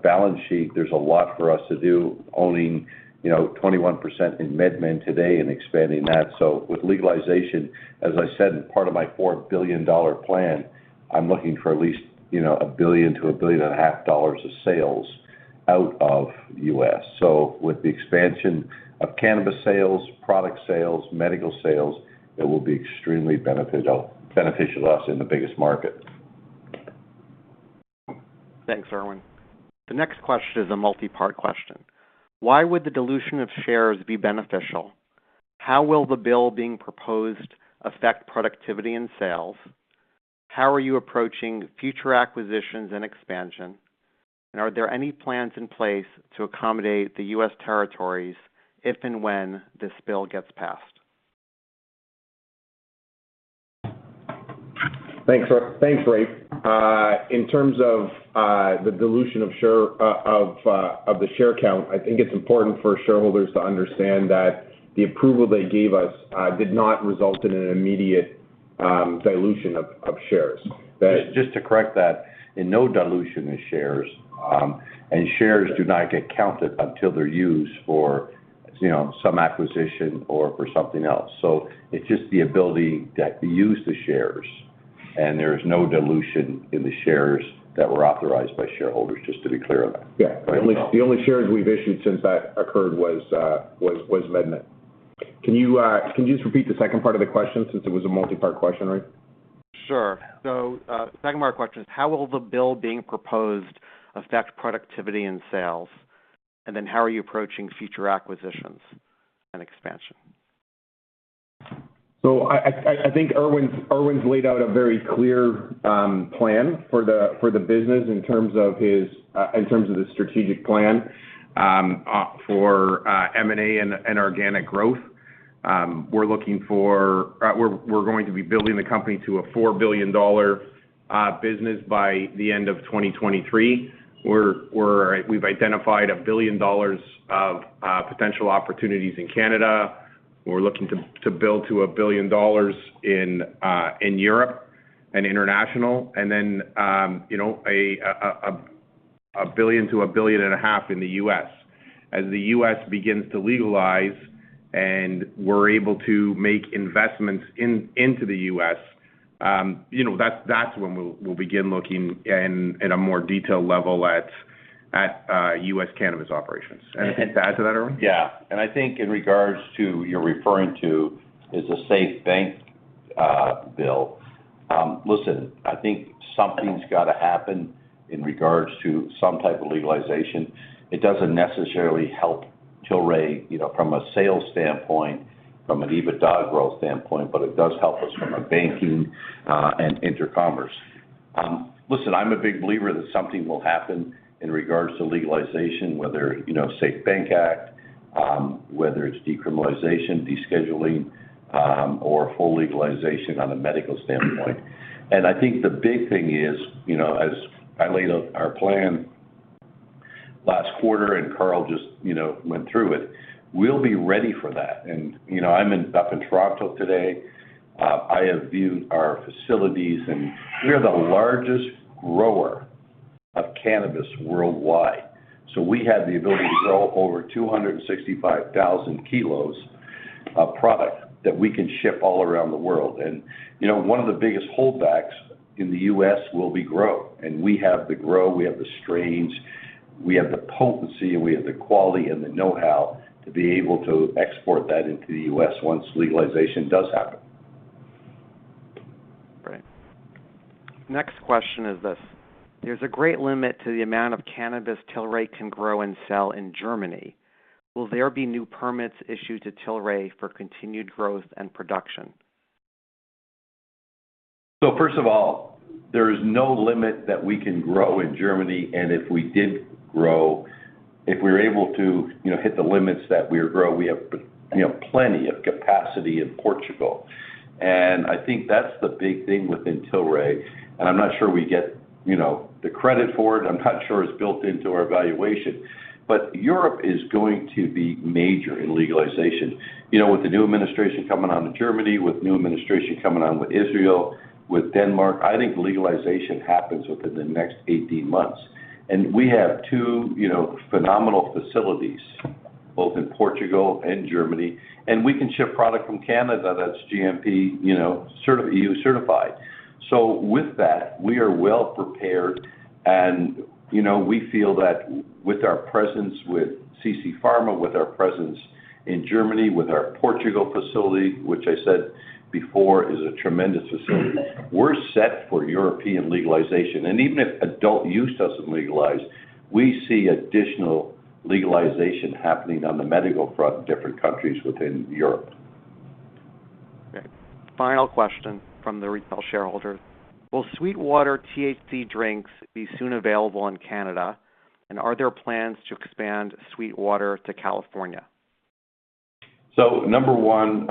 balance sheet, there's a lot for us to do owning 21% in MedMen today and expanding that. With legalization, as I said, in part of my $4 billion plan, I'm looking for at least a billion to a billion and a half dollars of sales out of the U.S. With the expansion of cannabis sales, product sales, medical sales, it will be extremely beneficial to us in the biggest market. Thanks, Irwin. The next question is a multi-part question. Why would the dilution of shares be beneficial? How will the bill being proposed affect productivity and sales? How are you approaching future acquisitions and expansion? Are there any plans in place to accommodate the U.S. territories if and when this bill gets passed? Thanks, Raphael. In terms of the dilution of the share count, I think it's important for shareholders to understand that the approval they gave us did not result in an immediate dilution of shares. Just to correct that, in no dilution of shares, and shares do not get counted until they're used for some acquisition or for something else. It's just the ability to use the shares, and there's no dilution in the shares that were authorized by shareholders, just to be clear on that. Yeah. The only shares we've issued since that occurred was MedMen. Can you just repeat the second part of the question since it was a multi-part question, Raphael? Sure. The second part of the question is, how will the bill being proposed affect productivity and sales? How are you approaching future acquisitions and expansion? I think Irwin's laid out a very clear plan for the business in terms of the strategic plan for M&A and organic growth. We're going to be building the company to a $4 billion business by the end of 2023. We've identified $1 billion of potential opportunities in Canada. We're looking to build to $1 billion in Europe and international, and then $1 billion-$1.5 billion in the U.S. As the U.S. begins to legalize and we're able to make investments into the U.S., that's when we'll begin looking in a more detailed level at U.S. cannabis operations. Anything to add to that, Irwin? Yeah. I think in regards to, you're referring to, is a SAFE Banking Act. Listen, I think something's got to happen in regards to some type of legalization. It doesn't necessarily help Tilray from a sales standpoint, from an EBITDA growth standpoint, but it does help us from a banking and inter-commerce. Listen, I'm a big believer that something will happen in regards to legalization, whether SAFE Banking Act, whether it's decriminalization, descheduling, or full legalization on a medical standpoint. I think the big thing is, as I laid out our plan last quarter and Carl just went through it, we'll be ready for that. I'm up in Toronto today. I have viewed our facilities, and we are the largest grower of cannabis worldwide. We have the ability to grow over 265,000 kilos of product that we can ship all around the world. One of the biggest holdbacks in the U.S. will be grow. We have the grow, we have the strains, we have the potency, and we have the quality and the know-how to be able to export that into the U.S. once legalization does happen. Great. Next question is this: there's a great limit to the amount of cannabis Tilray can grow and sell in Germany. Will there be new permits issued to Tilray for continued growth and production? First of all, there is no limit that we can grow in Germany, and if we did grow, if we were able to hit the limits that we grow, we have plenty of capacity in Portugal. I think that's the big thing within Tilray, and I'm not sure we get the credit for it. I'm not sure it's built into our valuation. Europe is going to be major in legalization. With the new administration coming on in Germany, with new administration coming on with Israel, with Denmark, I think legalization happens within the next 18 months. We have two phenomenal facilities both in Portugal and Germany, and we can ship product from Canada that's GMP EU certified. With that, we are well-prepared and we feel that with our presence with CC Pharma, with our presence in Germany, with our Portugal facility, which I said before is a tremendous facility, we are set for European legalization. Even if adult use doesn't legalize, we see additional legalization happening on the medical front in different countries within Europe. Final question from the retail shareholders. Will SweetWater THC drinks be soon available in Canada, and are there plans to expand SweetWater to California? Number one,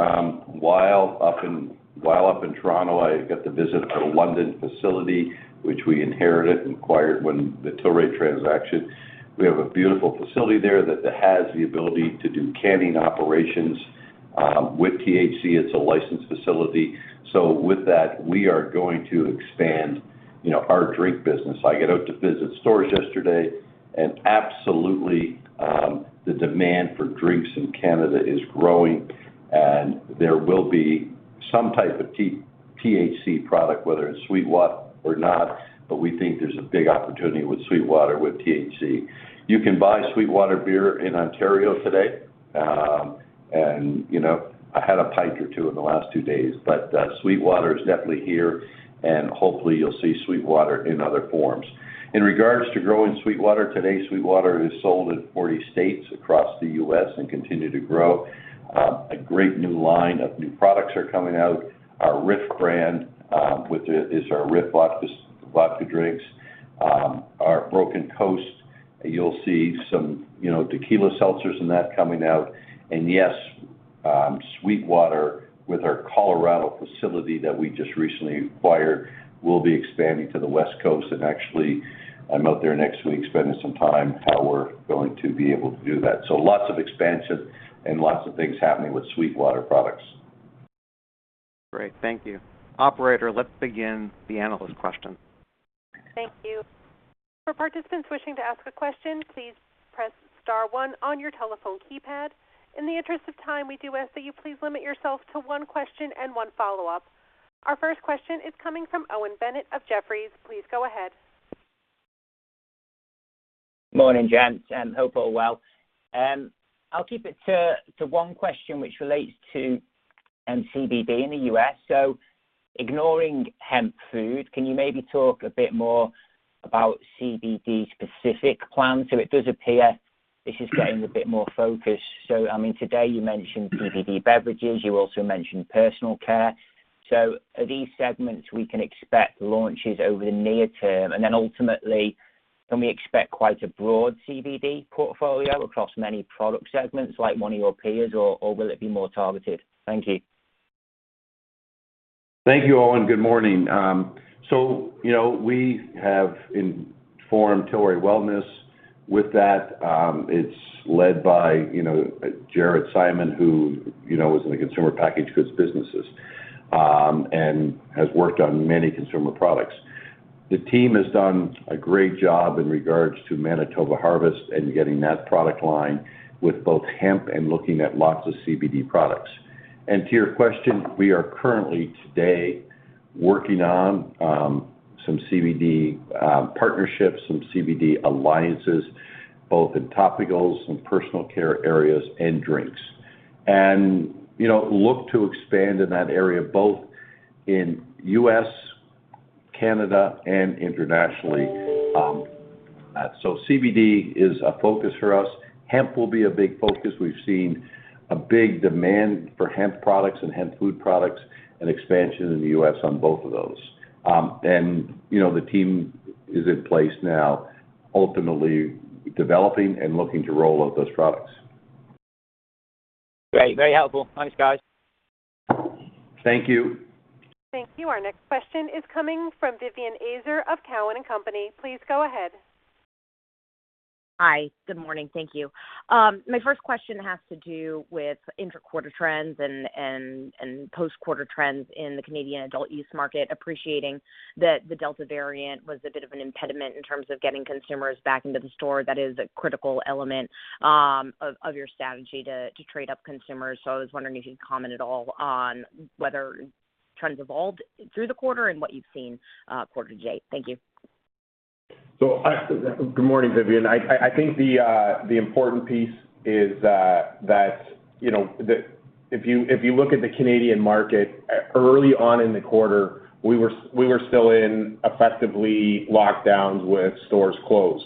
while up in Toronto, I got to visit our London facility, which we inherited and acquired when the Tilray transaction. We have a beautiful facility there that has the ability to do canning operations, with THC, it's a licensed facility. With that, we are going to expand our drink business. I got out to visit stores yesterday, and absolutely, the demand for drinks in Canada is growing, and there will be some type of THC product, whether it's SweetWater or not, but we think there's a big opportunity with SweetWater with THC. You can buy SweetWater beer in Ontario today. I had a pint or two in the last two days, but SweetWater is definitely here, and hopefully you'll see SweetWater in other forms. In regards to growing SweetWater, today SweetWater is sold in 40 states across the U.S. and continue to grow. A great new line of new products are coming out. Our RIFF brand, which is our RIFF vodka drinks. Our Broken Coast, you'll see some tequila seltzers and that coming out. Yes, SweetWater with our Colorado facility that we just recently acquired, will be expanding to the West Coast. Actually, I'm out there next week spending some time how we're going to be able to do that. Lots of expansion and lots of things happening with SweetWater products. Great, thank you. Operator, let's begin the analyst questions. Thank you. For participants wishing to ask a question, please press star one on your telephone keypad. In the interest of time, we do ask that you please limit yourself to one question and one follow-up. Our first question is coming from Owen Bennett of Jefferies. Please go ahead. Morning, gents, hope all well. I'll keep it to one question which relates to CBD in the U.S. Ignoring hemp food, can you maybe talk a bit more about CBD specific plans? It does appear this is getting a bit more focused. I mean, today you mentioned CBD beverages. You also mentioned personal care. Are these segments we can expect launches over the near term? Ultimately, can we expect quite a broad CBD portfolio across many product segments, like one of your peers, or will it be more targeted? Thank you. Thank you, Owen. Good morning. We have formed Tilray Wellness. With that, it's led by Jared Simon, who is in the consumer packaged goods businesses, and has worked on many consumer products. The team has done a great job in regards to Manitoba Harvest and getting that product line with both hemp and looking at lots of CBD products. To your question, we are currently, today, working on some CBD partnerships, some CBD alliances, both in topicals and personal care areas, and drinks. Look to expand in that area, both in U.S., Canada, and internationally. CBD is a focus for us. Hemp will be a big focus. We've seen a big demand for hemp products and hemp food products, and expansion in the U.S. on both of those. The team is in place now, ultimately developing and looking to roll out those products. Great. Very helpful. Thanks, guys. Thank you. Thank you. Our next question is coming from Vivien Azer of Cowen and Company. Please go ahead. Hi. Good morning. Thank you. My first question has to do with inter-quarter trends and post-quarter trends in the Canadian adult use market, appreciating that the Delta variant was a bit of an impediment in terms of getting consumers back into the store. That is a critical element of your strategy to trade up consumers. I was wondering if you could comment at all on whether trends evolved through the quarter and what you've seen quarter to date. Thank you. Good morning, Vivien. I think the important piece is that, if you look at the Canadian market, early on in the quarter, we were still in effectively lockdowns with stores closed.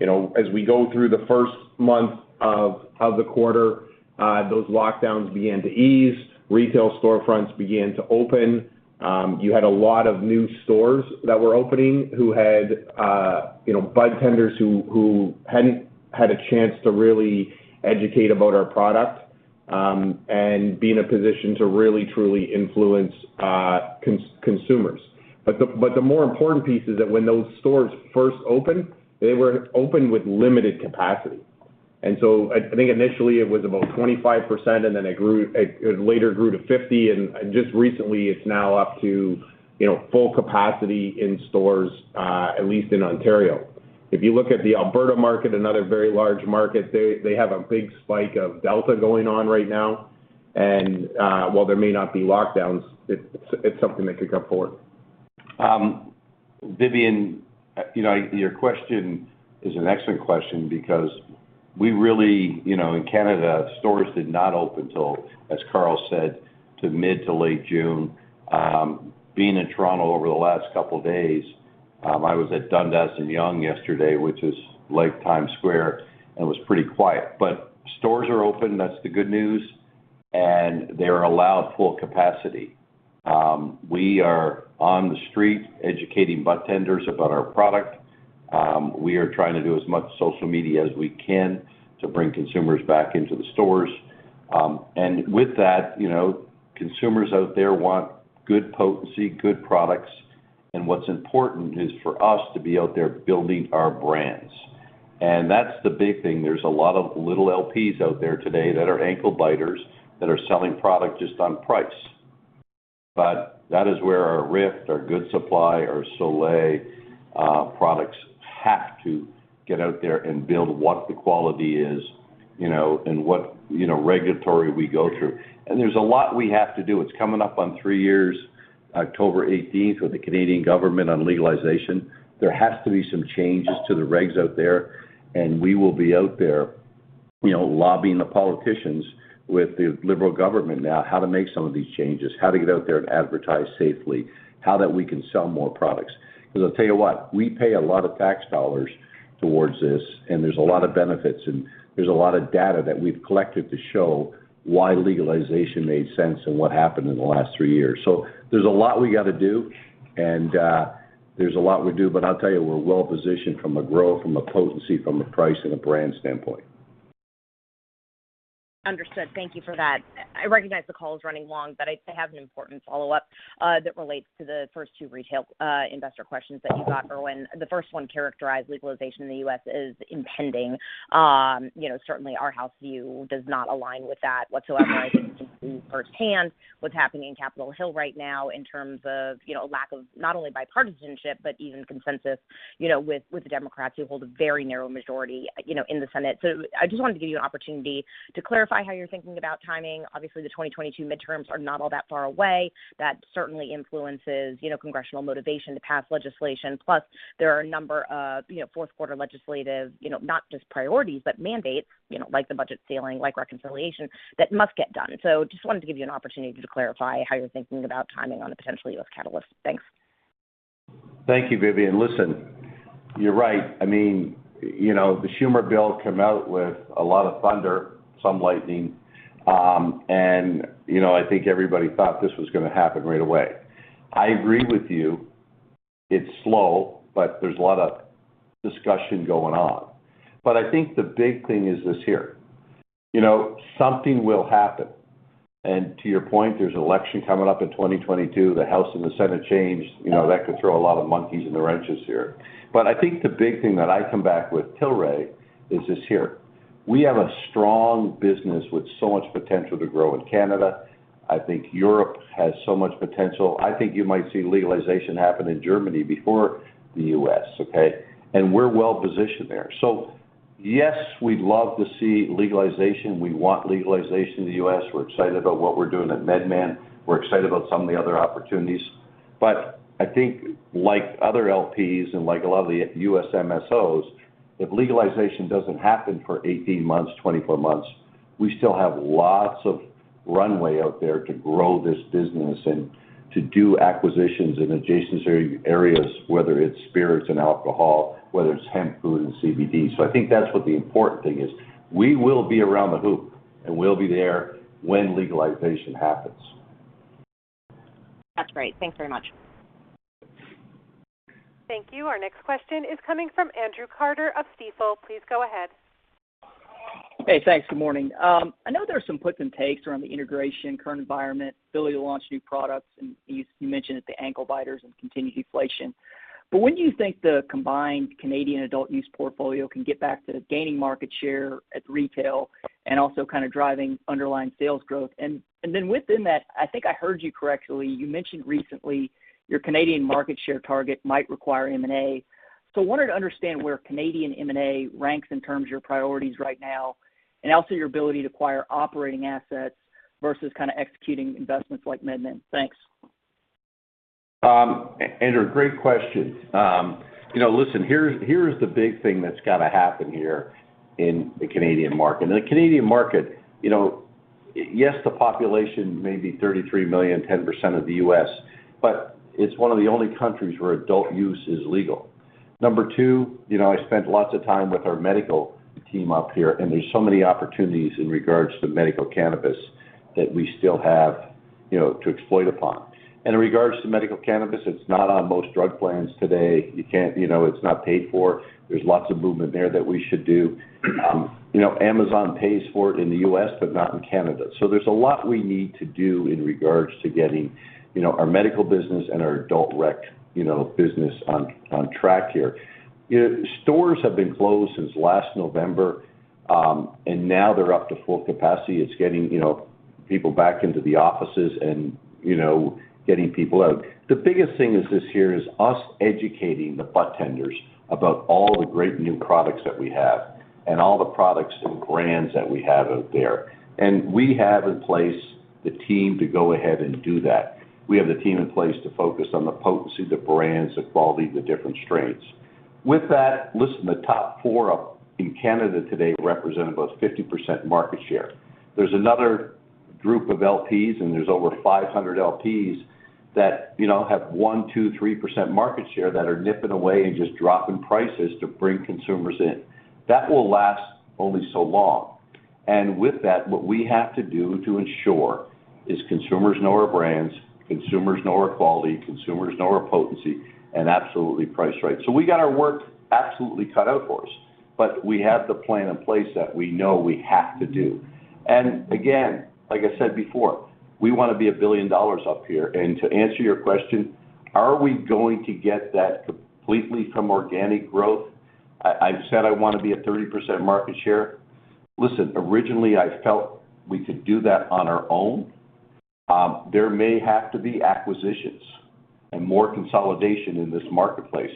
As we go through the first month of the quarter, those lockdowns began to ease, retail storefronts began to open. You had a lot of new stores that were opening, who had budtenders who hadn't had a chance to really educate about our product, and be in a position to really truly influence consumers. The more important piece is that when those stores first opened, they were opened with limited capacity. I think initially it was about 25%, and then it later grew to 50%, and just recently it's now up to full capacity in stores, at least in Ontario. If you look at the Alberta market, another very large market, they have a big spike of Delta going on right now, and while there may not be lockdowns, it's something that could come forward. Vivien, your question is an excellent question because we really, in Canada, stores did not open till, as Carl said, to mid to late June. Being in Toronto over the last couple of days, I was at Dundas and Yonge yesterday, which is like Times Square. It was pretty quiet. Stores are open, that's the good news, and they're allowed full capacity. We are on the street educating budtenders about our product. We are trying to do as much social media as we can to bring consumers back into the stores. With that, consumers out there want good potency, good products, and what's important is for us to be out there building our brands. That's the big thing. There's a lot of little LPs out there today that are ankle biters, that are selling product just on price. That is where our RIFF, our Good Supply, our Solei products have to get out there and build what the quality is, and what regulatory we go through. There's a lot we have to do. It's coming up on three years, October 18th, with the Canadian government on legalization. There has to be some changes to the regs out there, and we will be out there lobbying the politicians with the Liberal government now, how to make some of these changes, how to get out there and advertise safely, how that we can sell more products. I'll tell you what, we pay a lot of tax dollars towards this, and there's a lot of benefits, and there's a lot of data that we've collected to show why legalization made sense and what happened in the last three years. There's a lot we got to do, and there's a lot we do. I'll tell you, we're well positioned from a growth, from a potency, from a price, and a brand standpoint. Understood. Thank you for that. I recognize the call is running long, but I have an important follow-up that relates to the first two retail investor questions that you got, Irwin. The first one characterized legalization in the U.S. as impending. Certainly our house view does not align with that whatsoever. I think we see firsthand what's happening in Capitol Hill right now in terms of a lack of, not only bipartisanship, but even consensus with the Democrats who hold a very narrow majority in the Senate. I just wanted to give you an opportunity to clarify how you're thinking about timing. Obviously, the 2022 midterms are not all that far away. That certainly influences congressional motivation to pass legislation. Plus, there are a number of Q4 legislative, not just priorities, but mandates, like the budget ceiling, like reconciliation, that must get done. Just wanted to give you an opportunity to clarify how you're thinking about timing on a potential U.S. catalyst. Thanks. Thank you, Vivien. You're right. I mean the Schumer bill come out with a lot of thunder, some lightning, and I think everybody thought this was going to happen right away. I agree with you. It's slow, but there's a lot of discussion going on. I think the big thing is this here. Something will happen, and to your point, there's an election coming up in 2022. The House and the Senate change, that could throw a lot of monkeys in the wrenches here. I think the big thing that I come back with Tilray is this here. We have a strong business with so much potential to grow in Canada. I think Europe has so much potential. I think you might see legalization happen in Germany before the U.S., okay? We're well-positioned there. Yes, we'd love to see legalization. We want legalization in the U.S. We're excited about what we're doing at MedMen. We're excited about some of the other opportunities. I think like other LPs and like a lot of the U.S. MSOs, if legalization doesn't happen for 18 months, 24 months, we still have lots of runway out there to grow this business and to do acquisitions in adjacent areas, whether it's spirits and alcohol, whether it's hemp food and CBD. I think that's what the important thing is. We will be around the hoop, and we'll be there when legalization happens. That's great. Thanks very much. Thank you. Our next question is coming from Andrew Carter of Stifel. Please go ahead. Hey, thanks. Good morning. I know there are some puts and takes around the integration, current environment, ability to launch new products, and you mentioned at the ankle biters and continued deflation. When do you think the combined Canadian adult use portfolio can get back to gaining market share at retail and also kind of driving underlying sales growth? Within that, I think I heard you correctly, you mentioned recently your Canadian market share target might require M&A. I wanted to understand where Canadian M&A ranks in terms of your priorities right now, and also your ability to acquire operating assets versus kind of executing investments like MedMen. Thanks. Andrew, great questions. Listen, here's the big thing that's got to happen here in the Canadian market. In the Canadian market, yes, the population may be 33 million, 10% of the U.S., but it's one of the only countries where adult use is legal. Number two, I spent lots of time with our medical team up here, and there's so many opportunities in regards to medical cannabis that we still have to exploit upon. In regards to medical cannabis, it's not on most drug plans today. It's not paid for. There's lots of movement there that we should do. Amazon pays for it in the U.S., but not in Canada. There's a lot we need to do in regards to getting our medical business and our adult rec business on track here. Stores have been closed since last November, and now they're up to full capacity. It's getting people back into the offices and getting people out. The biggest thing is this here is us educating the budtenders about all the great new products that we have and all the products and brands that we have out there. We have in place the team to go ahead and do that. We have the team in place to focus on the potency, the brands, the quality, the different strains. With that, listen, the top four up in Canada today represent about 50% market share. There's another group of LPs, and there's over 500 LPs that have one percent, two percent, three percent market share that are nipping away and just dropping prices to bring consumers in. That will last only so long. With that, what we have to do to ensure is consumers know our brands, consumers know our quality, consumers know our potency, and absolutely price right. We got our work absolutely cut out for us, but we have the plan in place that we know we have to do. Again, like I said before, we want to be $1 billion up here. To answer your question, are we going to get that completely from organic growth? I've said I want to be at 30% market share. Listen, originally, I felt we could do that on our own. There may have to be acquisitions and more consolidation in this marketplace.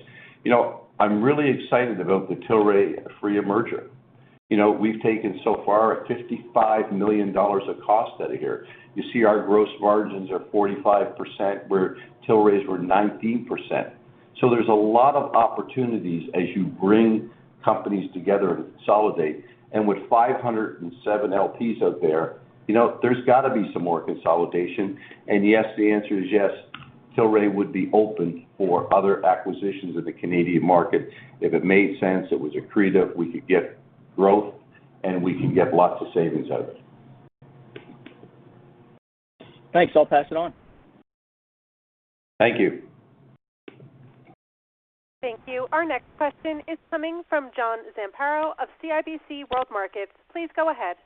I'm really excited about the Tilray-Aphria merger. We've taken so far a $55 million of cost out of here. You see our gross margins are 45% where Tilray's were 19%. There's a lot of opportunities as you bring companies together and consolidate. With 507 LPs out there's got to be some more consolidation. Yes, the answer is yes, Tilray would be open for other acquisitions of the Canadian market. If it made sense, it was accretive, we could get growth, and we could get lots of savings out of it. Thanks. I'll pass it on. Thank you. Thank you. Our next question is coming from John Zamparo of CIBC World Markets. Please go ahead.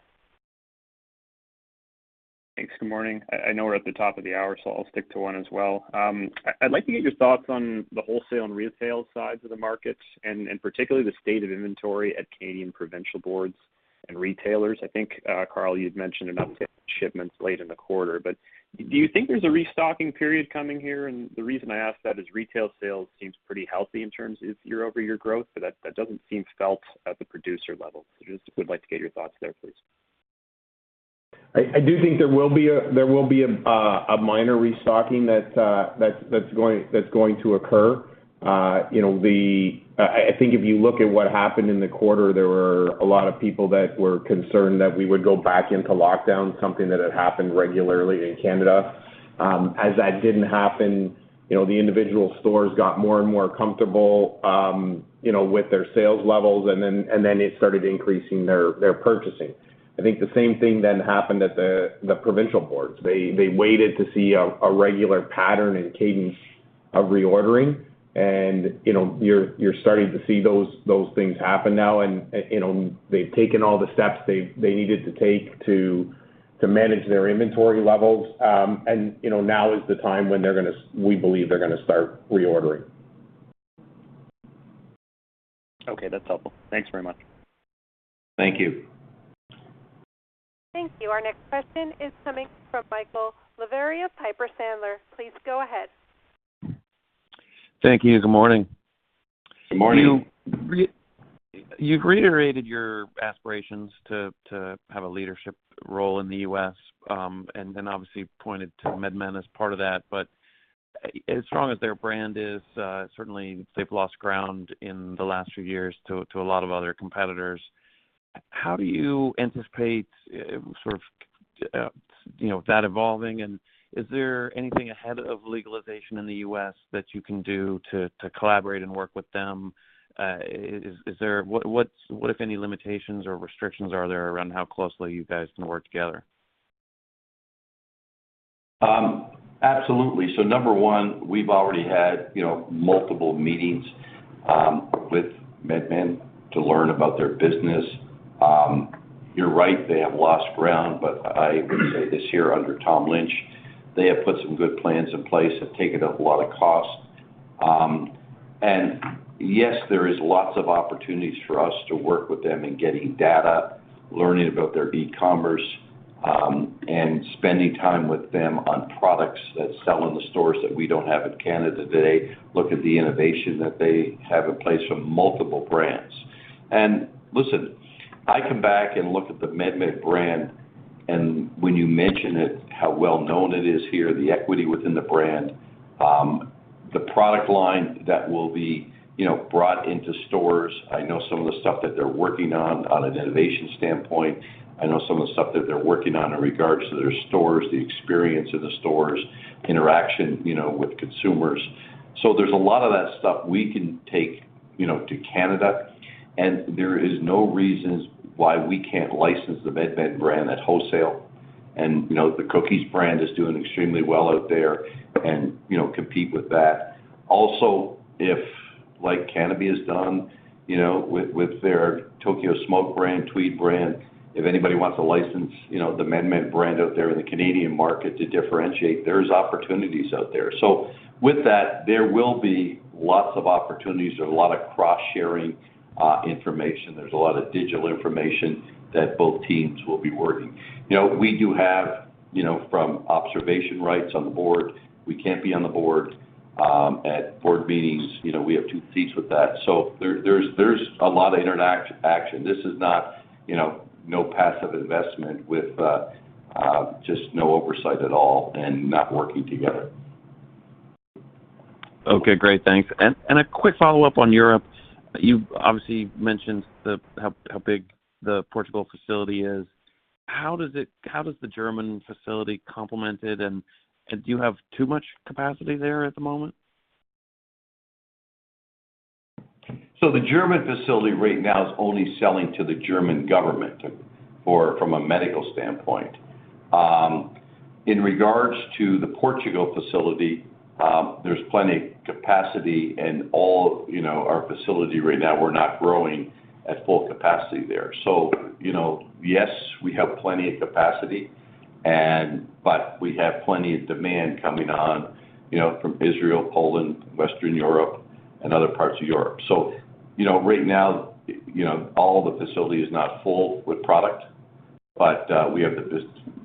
Thanks. Good morning. I know we're at the top of the hour, so I'll stick to 1 as well. I'd like to get your thoughts on the wholesale and retail sides of the market, particularly the state of inventory at Canadian provincial boards and retailers. I think, Carl, you'd mentioned about shipments late in the quarter, but do you think there's a restocking period coming here? The reason I ask that is retail sales seems pretty healthy in terms of year-over-year growth, but that doesn't seem felt at the producer level. Just would like to get your thoughts there, please. I do think there will be a minor restocking that's going to occur. I think if you look at what happened in the quarter, there were a lot of people that were concerned that we would go back into lockdown, something that had happened regularly in Canada. As that didn't happen, the individual stores got more and more comfortable with their sales levels, and then they started increasing their purchasing. I think the same thing then happened at the provincial boards. They waited to see a regular pattern and cadence. Of reordering, you're starting to see those things happen now. They've taken all the steps they needed to take to manage their inventory levels. Now is the time when we believe they're going to start reordering. Okay, that's helpful. Thanks very much. Thank you. Thank you. Our next question is coming from Michael Lavery of Piper Sandler. Please go ahead. Thank you. Good morning. Good morning. You've reiterated your aspirations to have a leadership role in the U.S., and then obviously pointed to MedMen as part of that, but as strong as their brand is, certainly they've lost ground in the last few years to a lot of other competitors. How do you anticipate that evolving, and is there anything ahead of legalization in the U.S. that you can do to collaborate and work with them? What, if any, limitations or restrictions are there around how closely you guys can work together? Absolutely. Number one, we've already had multiple meetings with MedMen to learn about their business. You're right, they have lost ground, but I would say this year under Tom Lynch, they have put some good plans in place, have taken out a lot of cost. Yes, there is lots of opportunities for us to work with them in getting data, learning about their e-commerce, and spending time with them on products that sell in the stores that we don't have in Canada today, look at the innovation that they have in place from multiple brands. Listen, I come back and look at the MedMen brand, and when you mention it, how well-known it is here, the equity within the brand, the product line that will be brought into stores. I know some of the stuff that they're working on an innovation standpoint. I know some of the stuff that they're working on in regards to their stores, the experience of the stores, interaction with consumers. There's a lot of that stuff we can take to Canada. There is no reasons why we can't license the MedMen brand at wholesale. The Cookies brand is doing extremely well out there and compete with that. Also, if, like Canopy has done with their Tokyo Smoke brand, Tweed brand, if anybody wants to license the MedMen brand out there in the Canadian market to differentiate, there's opportunities out there. With that, there will be lots of opportunities. There's a lot of cross-sharing information. There's a lot of digital information that both teams will be working. We do have, from observation rights on the board, we can't be on the board at board meetings. We have two seats with that. There's a lot of interaction. This is not no passive investment with just no oversight at all and not working together. Okay, great. Thanks. A quick follow-up on Europe. You obviously mentioned how big the Portugal facility is. How does the German facility complement it, and do you have too much capacity there at the moment? The German facility right now is only selling to the German government from a medical standpoint. In regards to the Portugal facility, there's plenty capacity in all our facility right now. We're not growing at full capacity there. Yes, we have plenty of capacity, but we have plenty of demand coming on from Israel, Poland, Western Europe, and other parts of Europe. Right now, all the facility is not full with product, but we have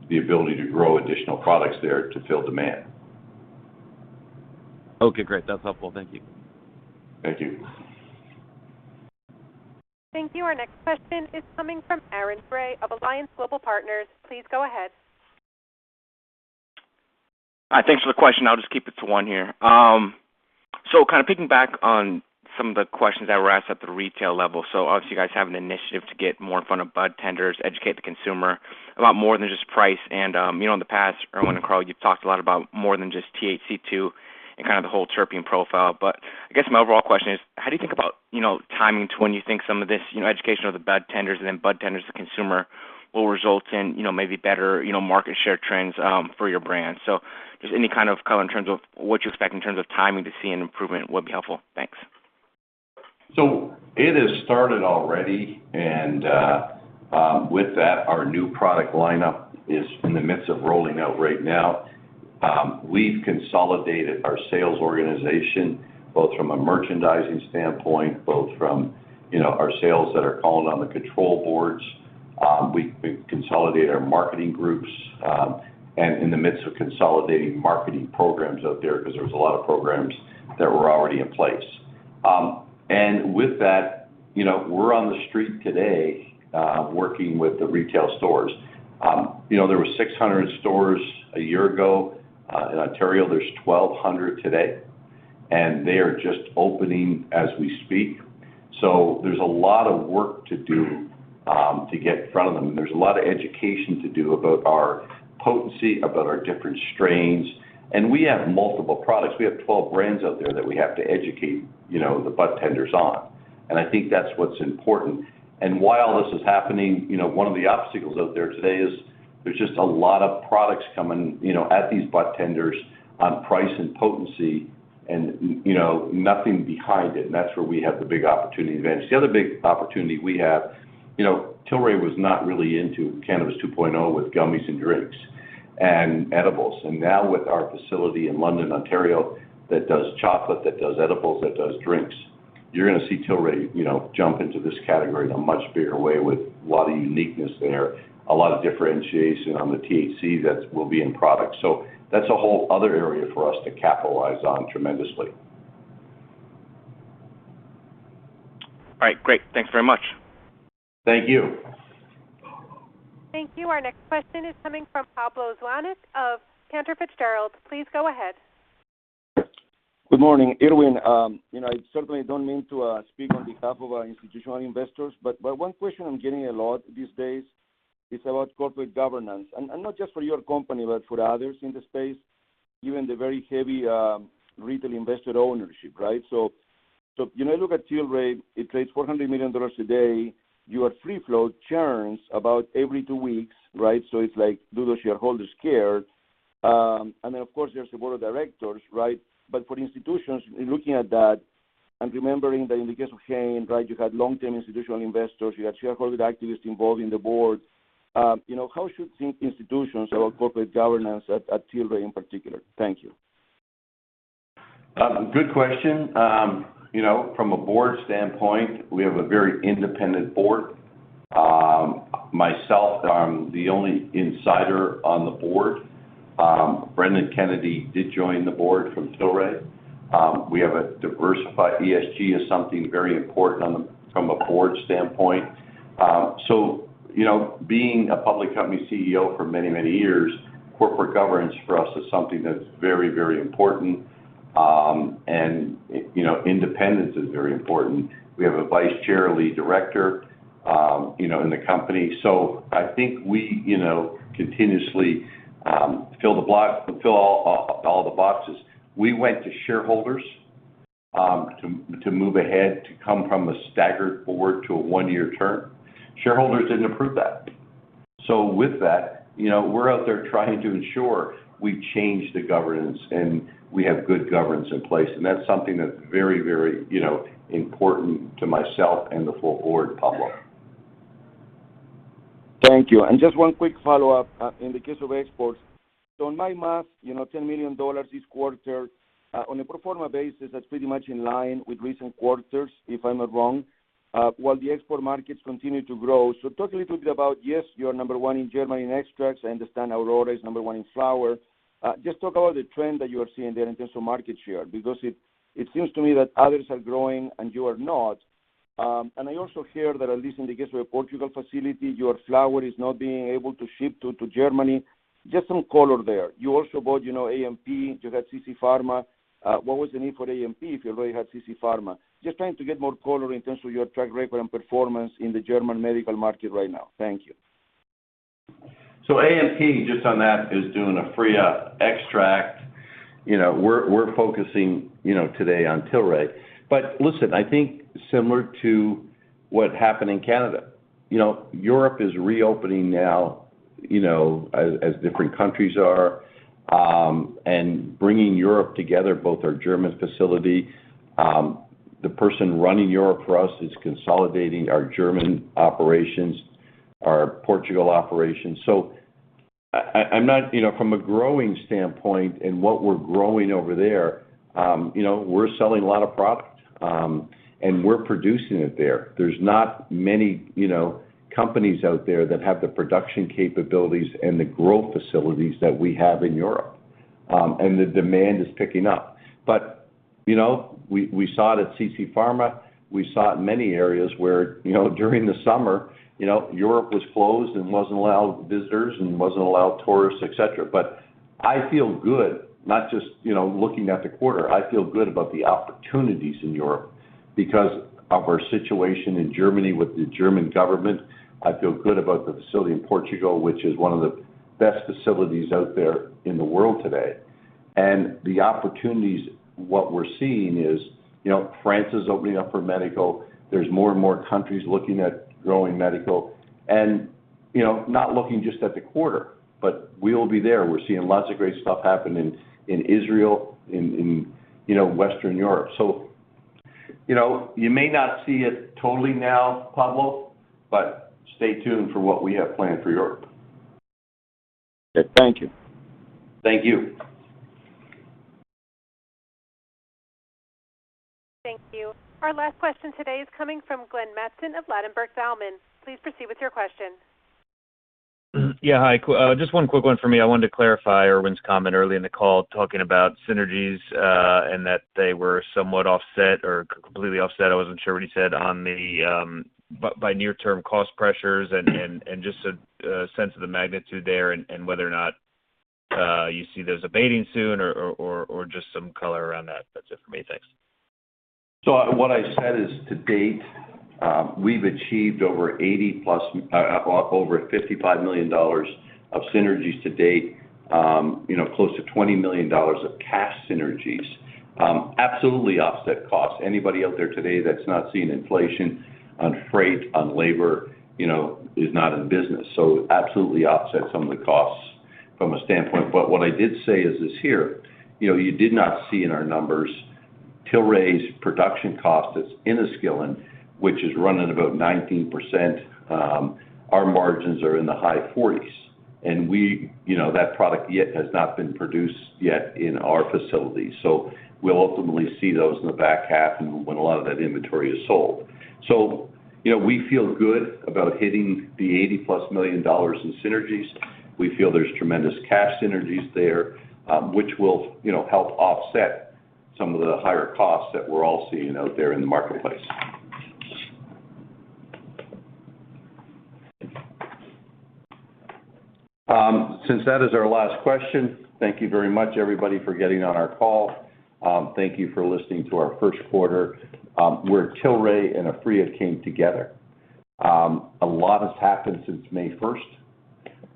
the ability to grow additional products there to fill demand. Okay, great. That is helpful. Thank you. Thank you. Thank you. Our next question is coming from Aaron Grey of Alliance Global Partners. Please go ahead. Thanks for the question. I'll just keep it to one here. Kind of piggyback on some of the questions that were asked at the retail level. Obviously, you guys have an initiative to get more in front of budtenders, educate the consumer about more than just price. In the past, Irwin and Carl, you've talked a lot about more than just THC too and kind of the whole terpene profile. I guess my overall question is: How do you think about timings when you think some of this education of the budtenders and then budtenders to consumer will result in maybe better market share trends for your brand? Just any kind of color in terms of what you expect in terms of timing to see an improvement would be helpful. Thanks. It has started already, with that, our new product lineup is in the midst of rolling out right now. We've consolidated our sales organization, both from a merchandising standpoint, both from our sales that are calling on the control boards. We consolidated our marketing groups in the midst of consolidating marketing programs out there because there was a lot of programs that were already in place. With that, we're on the street today working with the retail stores. There were 600 stores a year ago in Ontario. There's 1,200 today. They are just opening as we speak. There's a lot of work to do to get in front of them. There's a lot of education to do about our potency, about our different strains. We have multiple products. We have 12 brands out there that we have to educate the budtenders on. I think that's what's important. While this is happening, one of the obstacles out there today is There's just a lot of products coming at these budtenders on price and potency, and nothing behind it, and that's where we have the big opportunity advantage. The other big opportunity we have, Tilray was not really into Cannabis 2.0 with gummies and drinks and edibles. Now with our facility in London, Ontario that does chocolate, that does edibles, that does drinks, you're going to see Tilray jump into this category in a much bigger way with a lot of uniqueness there, a lot of differentiation on the THC that will be in products. That's a whole other area for us to capitalize on tremendously. All right, great. Thanks very much. Thank you. Thank you. Our next question is coming from Pablo Zuanic of Cantor Fitzgerald. Please go ahead. Good morning. Irwin, I certainly don't mean to speak on behalf of our institutional investors, one question I'm getting a lot these days is about corporate governance, and not just for your company, but for others in the space, given the very heavy retail invested ownership, right? I look at Tilray, it trades $400 million a day, your free flow churns about every two weeks, right? It's like, do those shareholders care? Then, of course, there's the board of directors, right? For institutions, in looking at that and remembering that in the case of Shane, right, you had long-term institutional investors, you had shareholder activists involved in the board. How should institutions or corporate governance at Tilray in particular? Thank you. Good question. From a board standpoint, we have a very independent board. Myself, I'm the only insider on the board. Brendan Kennedy did join the board from Tilray. We have a diversified ESG as something very important from a board standpoint. Being a public company CEO for many, many years, corporate governance for us is something that's very important, and independence is very important. We have a vice chair lead director in the company. I think we continuously fill all the boxes. We went to shareholders to move ahead to come from a staggered board to a one-year term. Shareholders didn't approve that. With that, we're out there trying to ensure we change the governance and we have good governance in place, and that's something that's very important to myself and the full board, Pablo. Thank you. Just one quick follow-up. In the case of exports, in my math, $10 million this quarter. On a pro forma basis, that's pretty much in line with recent quarters, if I'm not wrong, while the export markets continue to grow. Talk a little bit about, yes, you are number one in Germany in extracts. I understand Aurora is number one in flower. Just talk about the trend that you are seeing there in terms of market share, because it seems to me that others are growing and you are not. I also hear that at least in the case of your Portugal facility, your flower is not being able to ship to Germany. Just some color there. You also bought AMP, you had CC Pharma. What was the need for AMP if you already had CC Pharma? Just trying to get more color in terms of your track record and performance in the German medical market right now. Thank you. AMP, just on that, is doing a free extract. We're focusing today on Tilray. Listen, I think similar to what happened in Canada. Europe is reopening now as different countries are, and bringing Europe together, both our German facility, the person running Europe for us is consolidating our German operations, our Portugal operations. From a growing standpoint and what we're growing over there, we're selling a lot of product, and we're producing it there. There's not many companies out there that have the production capabilities and the growth facilities that we have in Europe. The demand is picking up. We saw it at CC Pharma. We saw it in many areas where during the summer, Europe was closed and wasn't allowing visitors and wasn't allowing tourists, et cetera. I feel good not just looking at the quarter, I feel good about the opportunities in Europe because of our situation in Germany with the German government. I feel good about the facility in Portugal, which is one of the best facilities out there in the world today. The opportunities, what we're seeing is France is opening up for medical. There's more and more countries looking at growing medical and not looking just at the quarter, but we will be there. We're seeing lots of great stuff happening in Israel, in Western Europe. You may not see it totally now, Pablo, but stay tuned for what we have planned for Europe. Good. Thank you. Thank you. Thank you. Our last question today is coming from Glenn Mattson of Ladenburg Thalmann. Please proceed with your question. Yeah, hi. Just one quick one for me. I wanted to clarify Irwin's comment early in the call talking about synergies, and that they were somewhat offset or completely offset, I wasn't sure what he said, by near term cost pressures and just a sense of the magnitude there and whether or not you see those abating soon or just some color around that. That's it for me. Thanks. What I said is, to date, we've achieved over $55 million of synergies to date, close to $20 million of cash synergies. Absolutely offset costs. Anybody out there today that's not seeing inflation on freight, on labor, is not in business. Absolutely offset some of the costs from a standpoint. What I did say is this here. You did not see in our numbers Tilray's production cost that's in Enniskillen, which is running about 19%. Our margins are in the high 40s, and that product has not been produced yet in our facility. We'll ultimately see those in the back half and when a lot of that inventory is sold. We feel good about hitting the $80-plus million in synergies. We feel there's tremendous cash synergies there, which will elp offset some of the higher costs that we're all seeing out there in the marketplace. Since that is our last question, thank you very much, everybody, for getting on our call. Thank you for listening to our Q1, where Tilray and Aphria came together. A lot has happened since May 1st.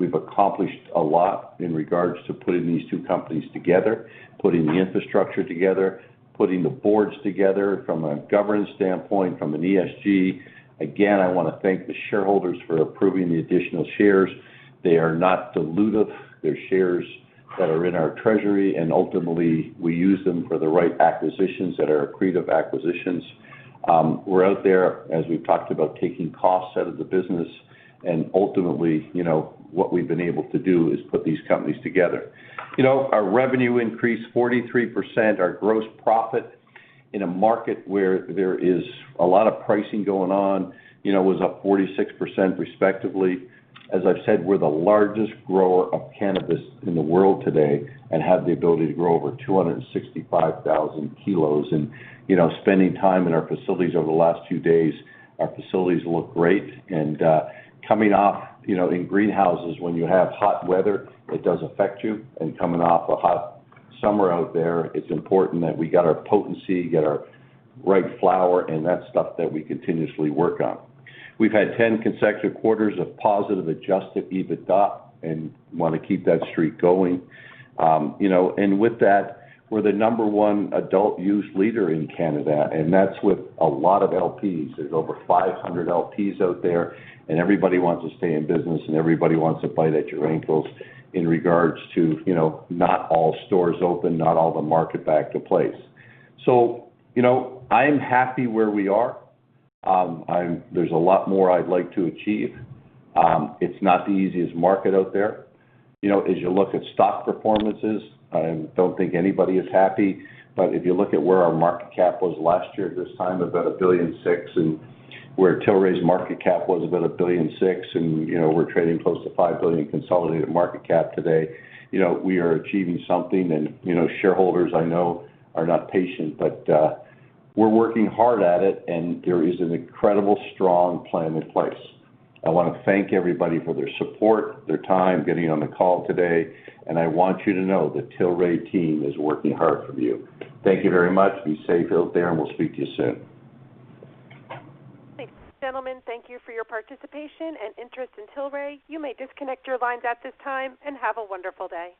We've accomplished a lot in regards to putting these two companies together, putting the infrastructure together, putting the boards together from a governance standpoint, from an ESG. Again, I want to thank the shareholders for approving the additional shares. They are not dilutive. They're shares that are in our treasury, and ultimately, we use them for the right acquisitions that are accretive acquisitions. We're out there, as we've talked about, taking costs out of the business, and ultimately, what we've been able to do is put these companies together. Our revenue increased 43%. Our gross profit in a market where there is a lot of pricing going on, was up 46% respectively. As I've said, we're the largest grower of cannabis in the world today and have the ability to grow over 265,000 kilos. Spending time in our facilities over the last few days, our facilities look great. Coming off in greenhouses, when you have hot weather, it does affect you. Coming off a hot summer out there, it's important that we got our potency, get our right flower, and that's stuff that we continuously work on. We've had 10 consecutive quarters of positive adjusted EBITDA and want to keep that streak going. With that, we're the number one adult use leader in Canada, and that's with a lot of LPs. There's over 500 LPs out there, and everybody wants to stay in business, and everybody wants to bite at your ankles in regards to not all stores open, not all the market back to place. I am happy where we are. There's a lot more I'd like to achieve. It's not the easiest market out there. As you look at stock performances, I don't think anybody is happy. If you look at where our market cap was last year at this time, about $1.6 billion, and where Tilray's market cap was about $1.6 billion, and we're trading close to $5 billion in consolidated market cap today. We are achieving something and shareholders, I know, are not patient, but we're working hard at it, and there is an incredible, strong plan in place. I want to thank everybody for their support, their time getting on the call today, and I want you to know the Tilray team is working hard for you. Thank you very much. Be safe out there, and we'll speak to you soon. Thanks. Gentlemen, thank you for your participation and interest in Tilray. You may disconnect your lines at this time, and have a wonderful day.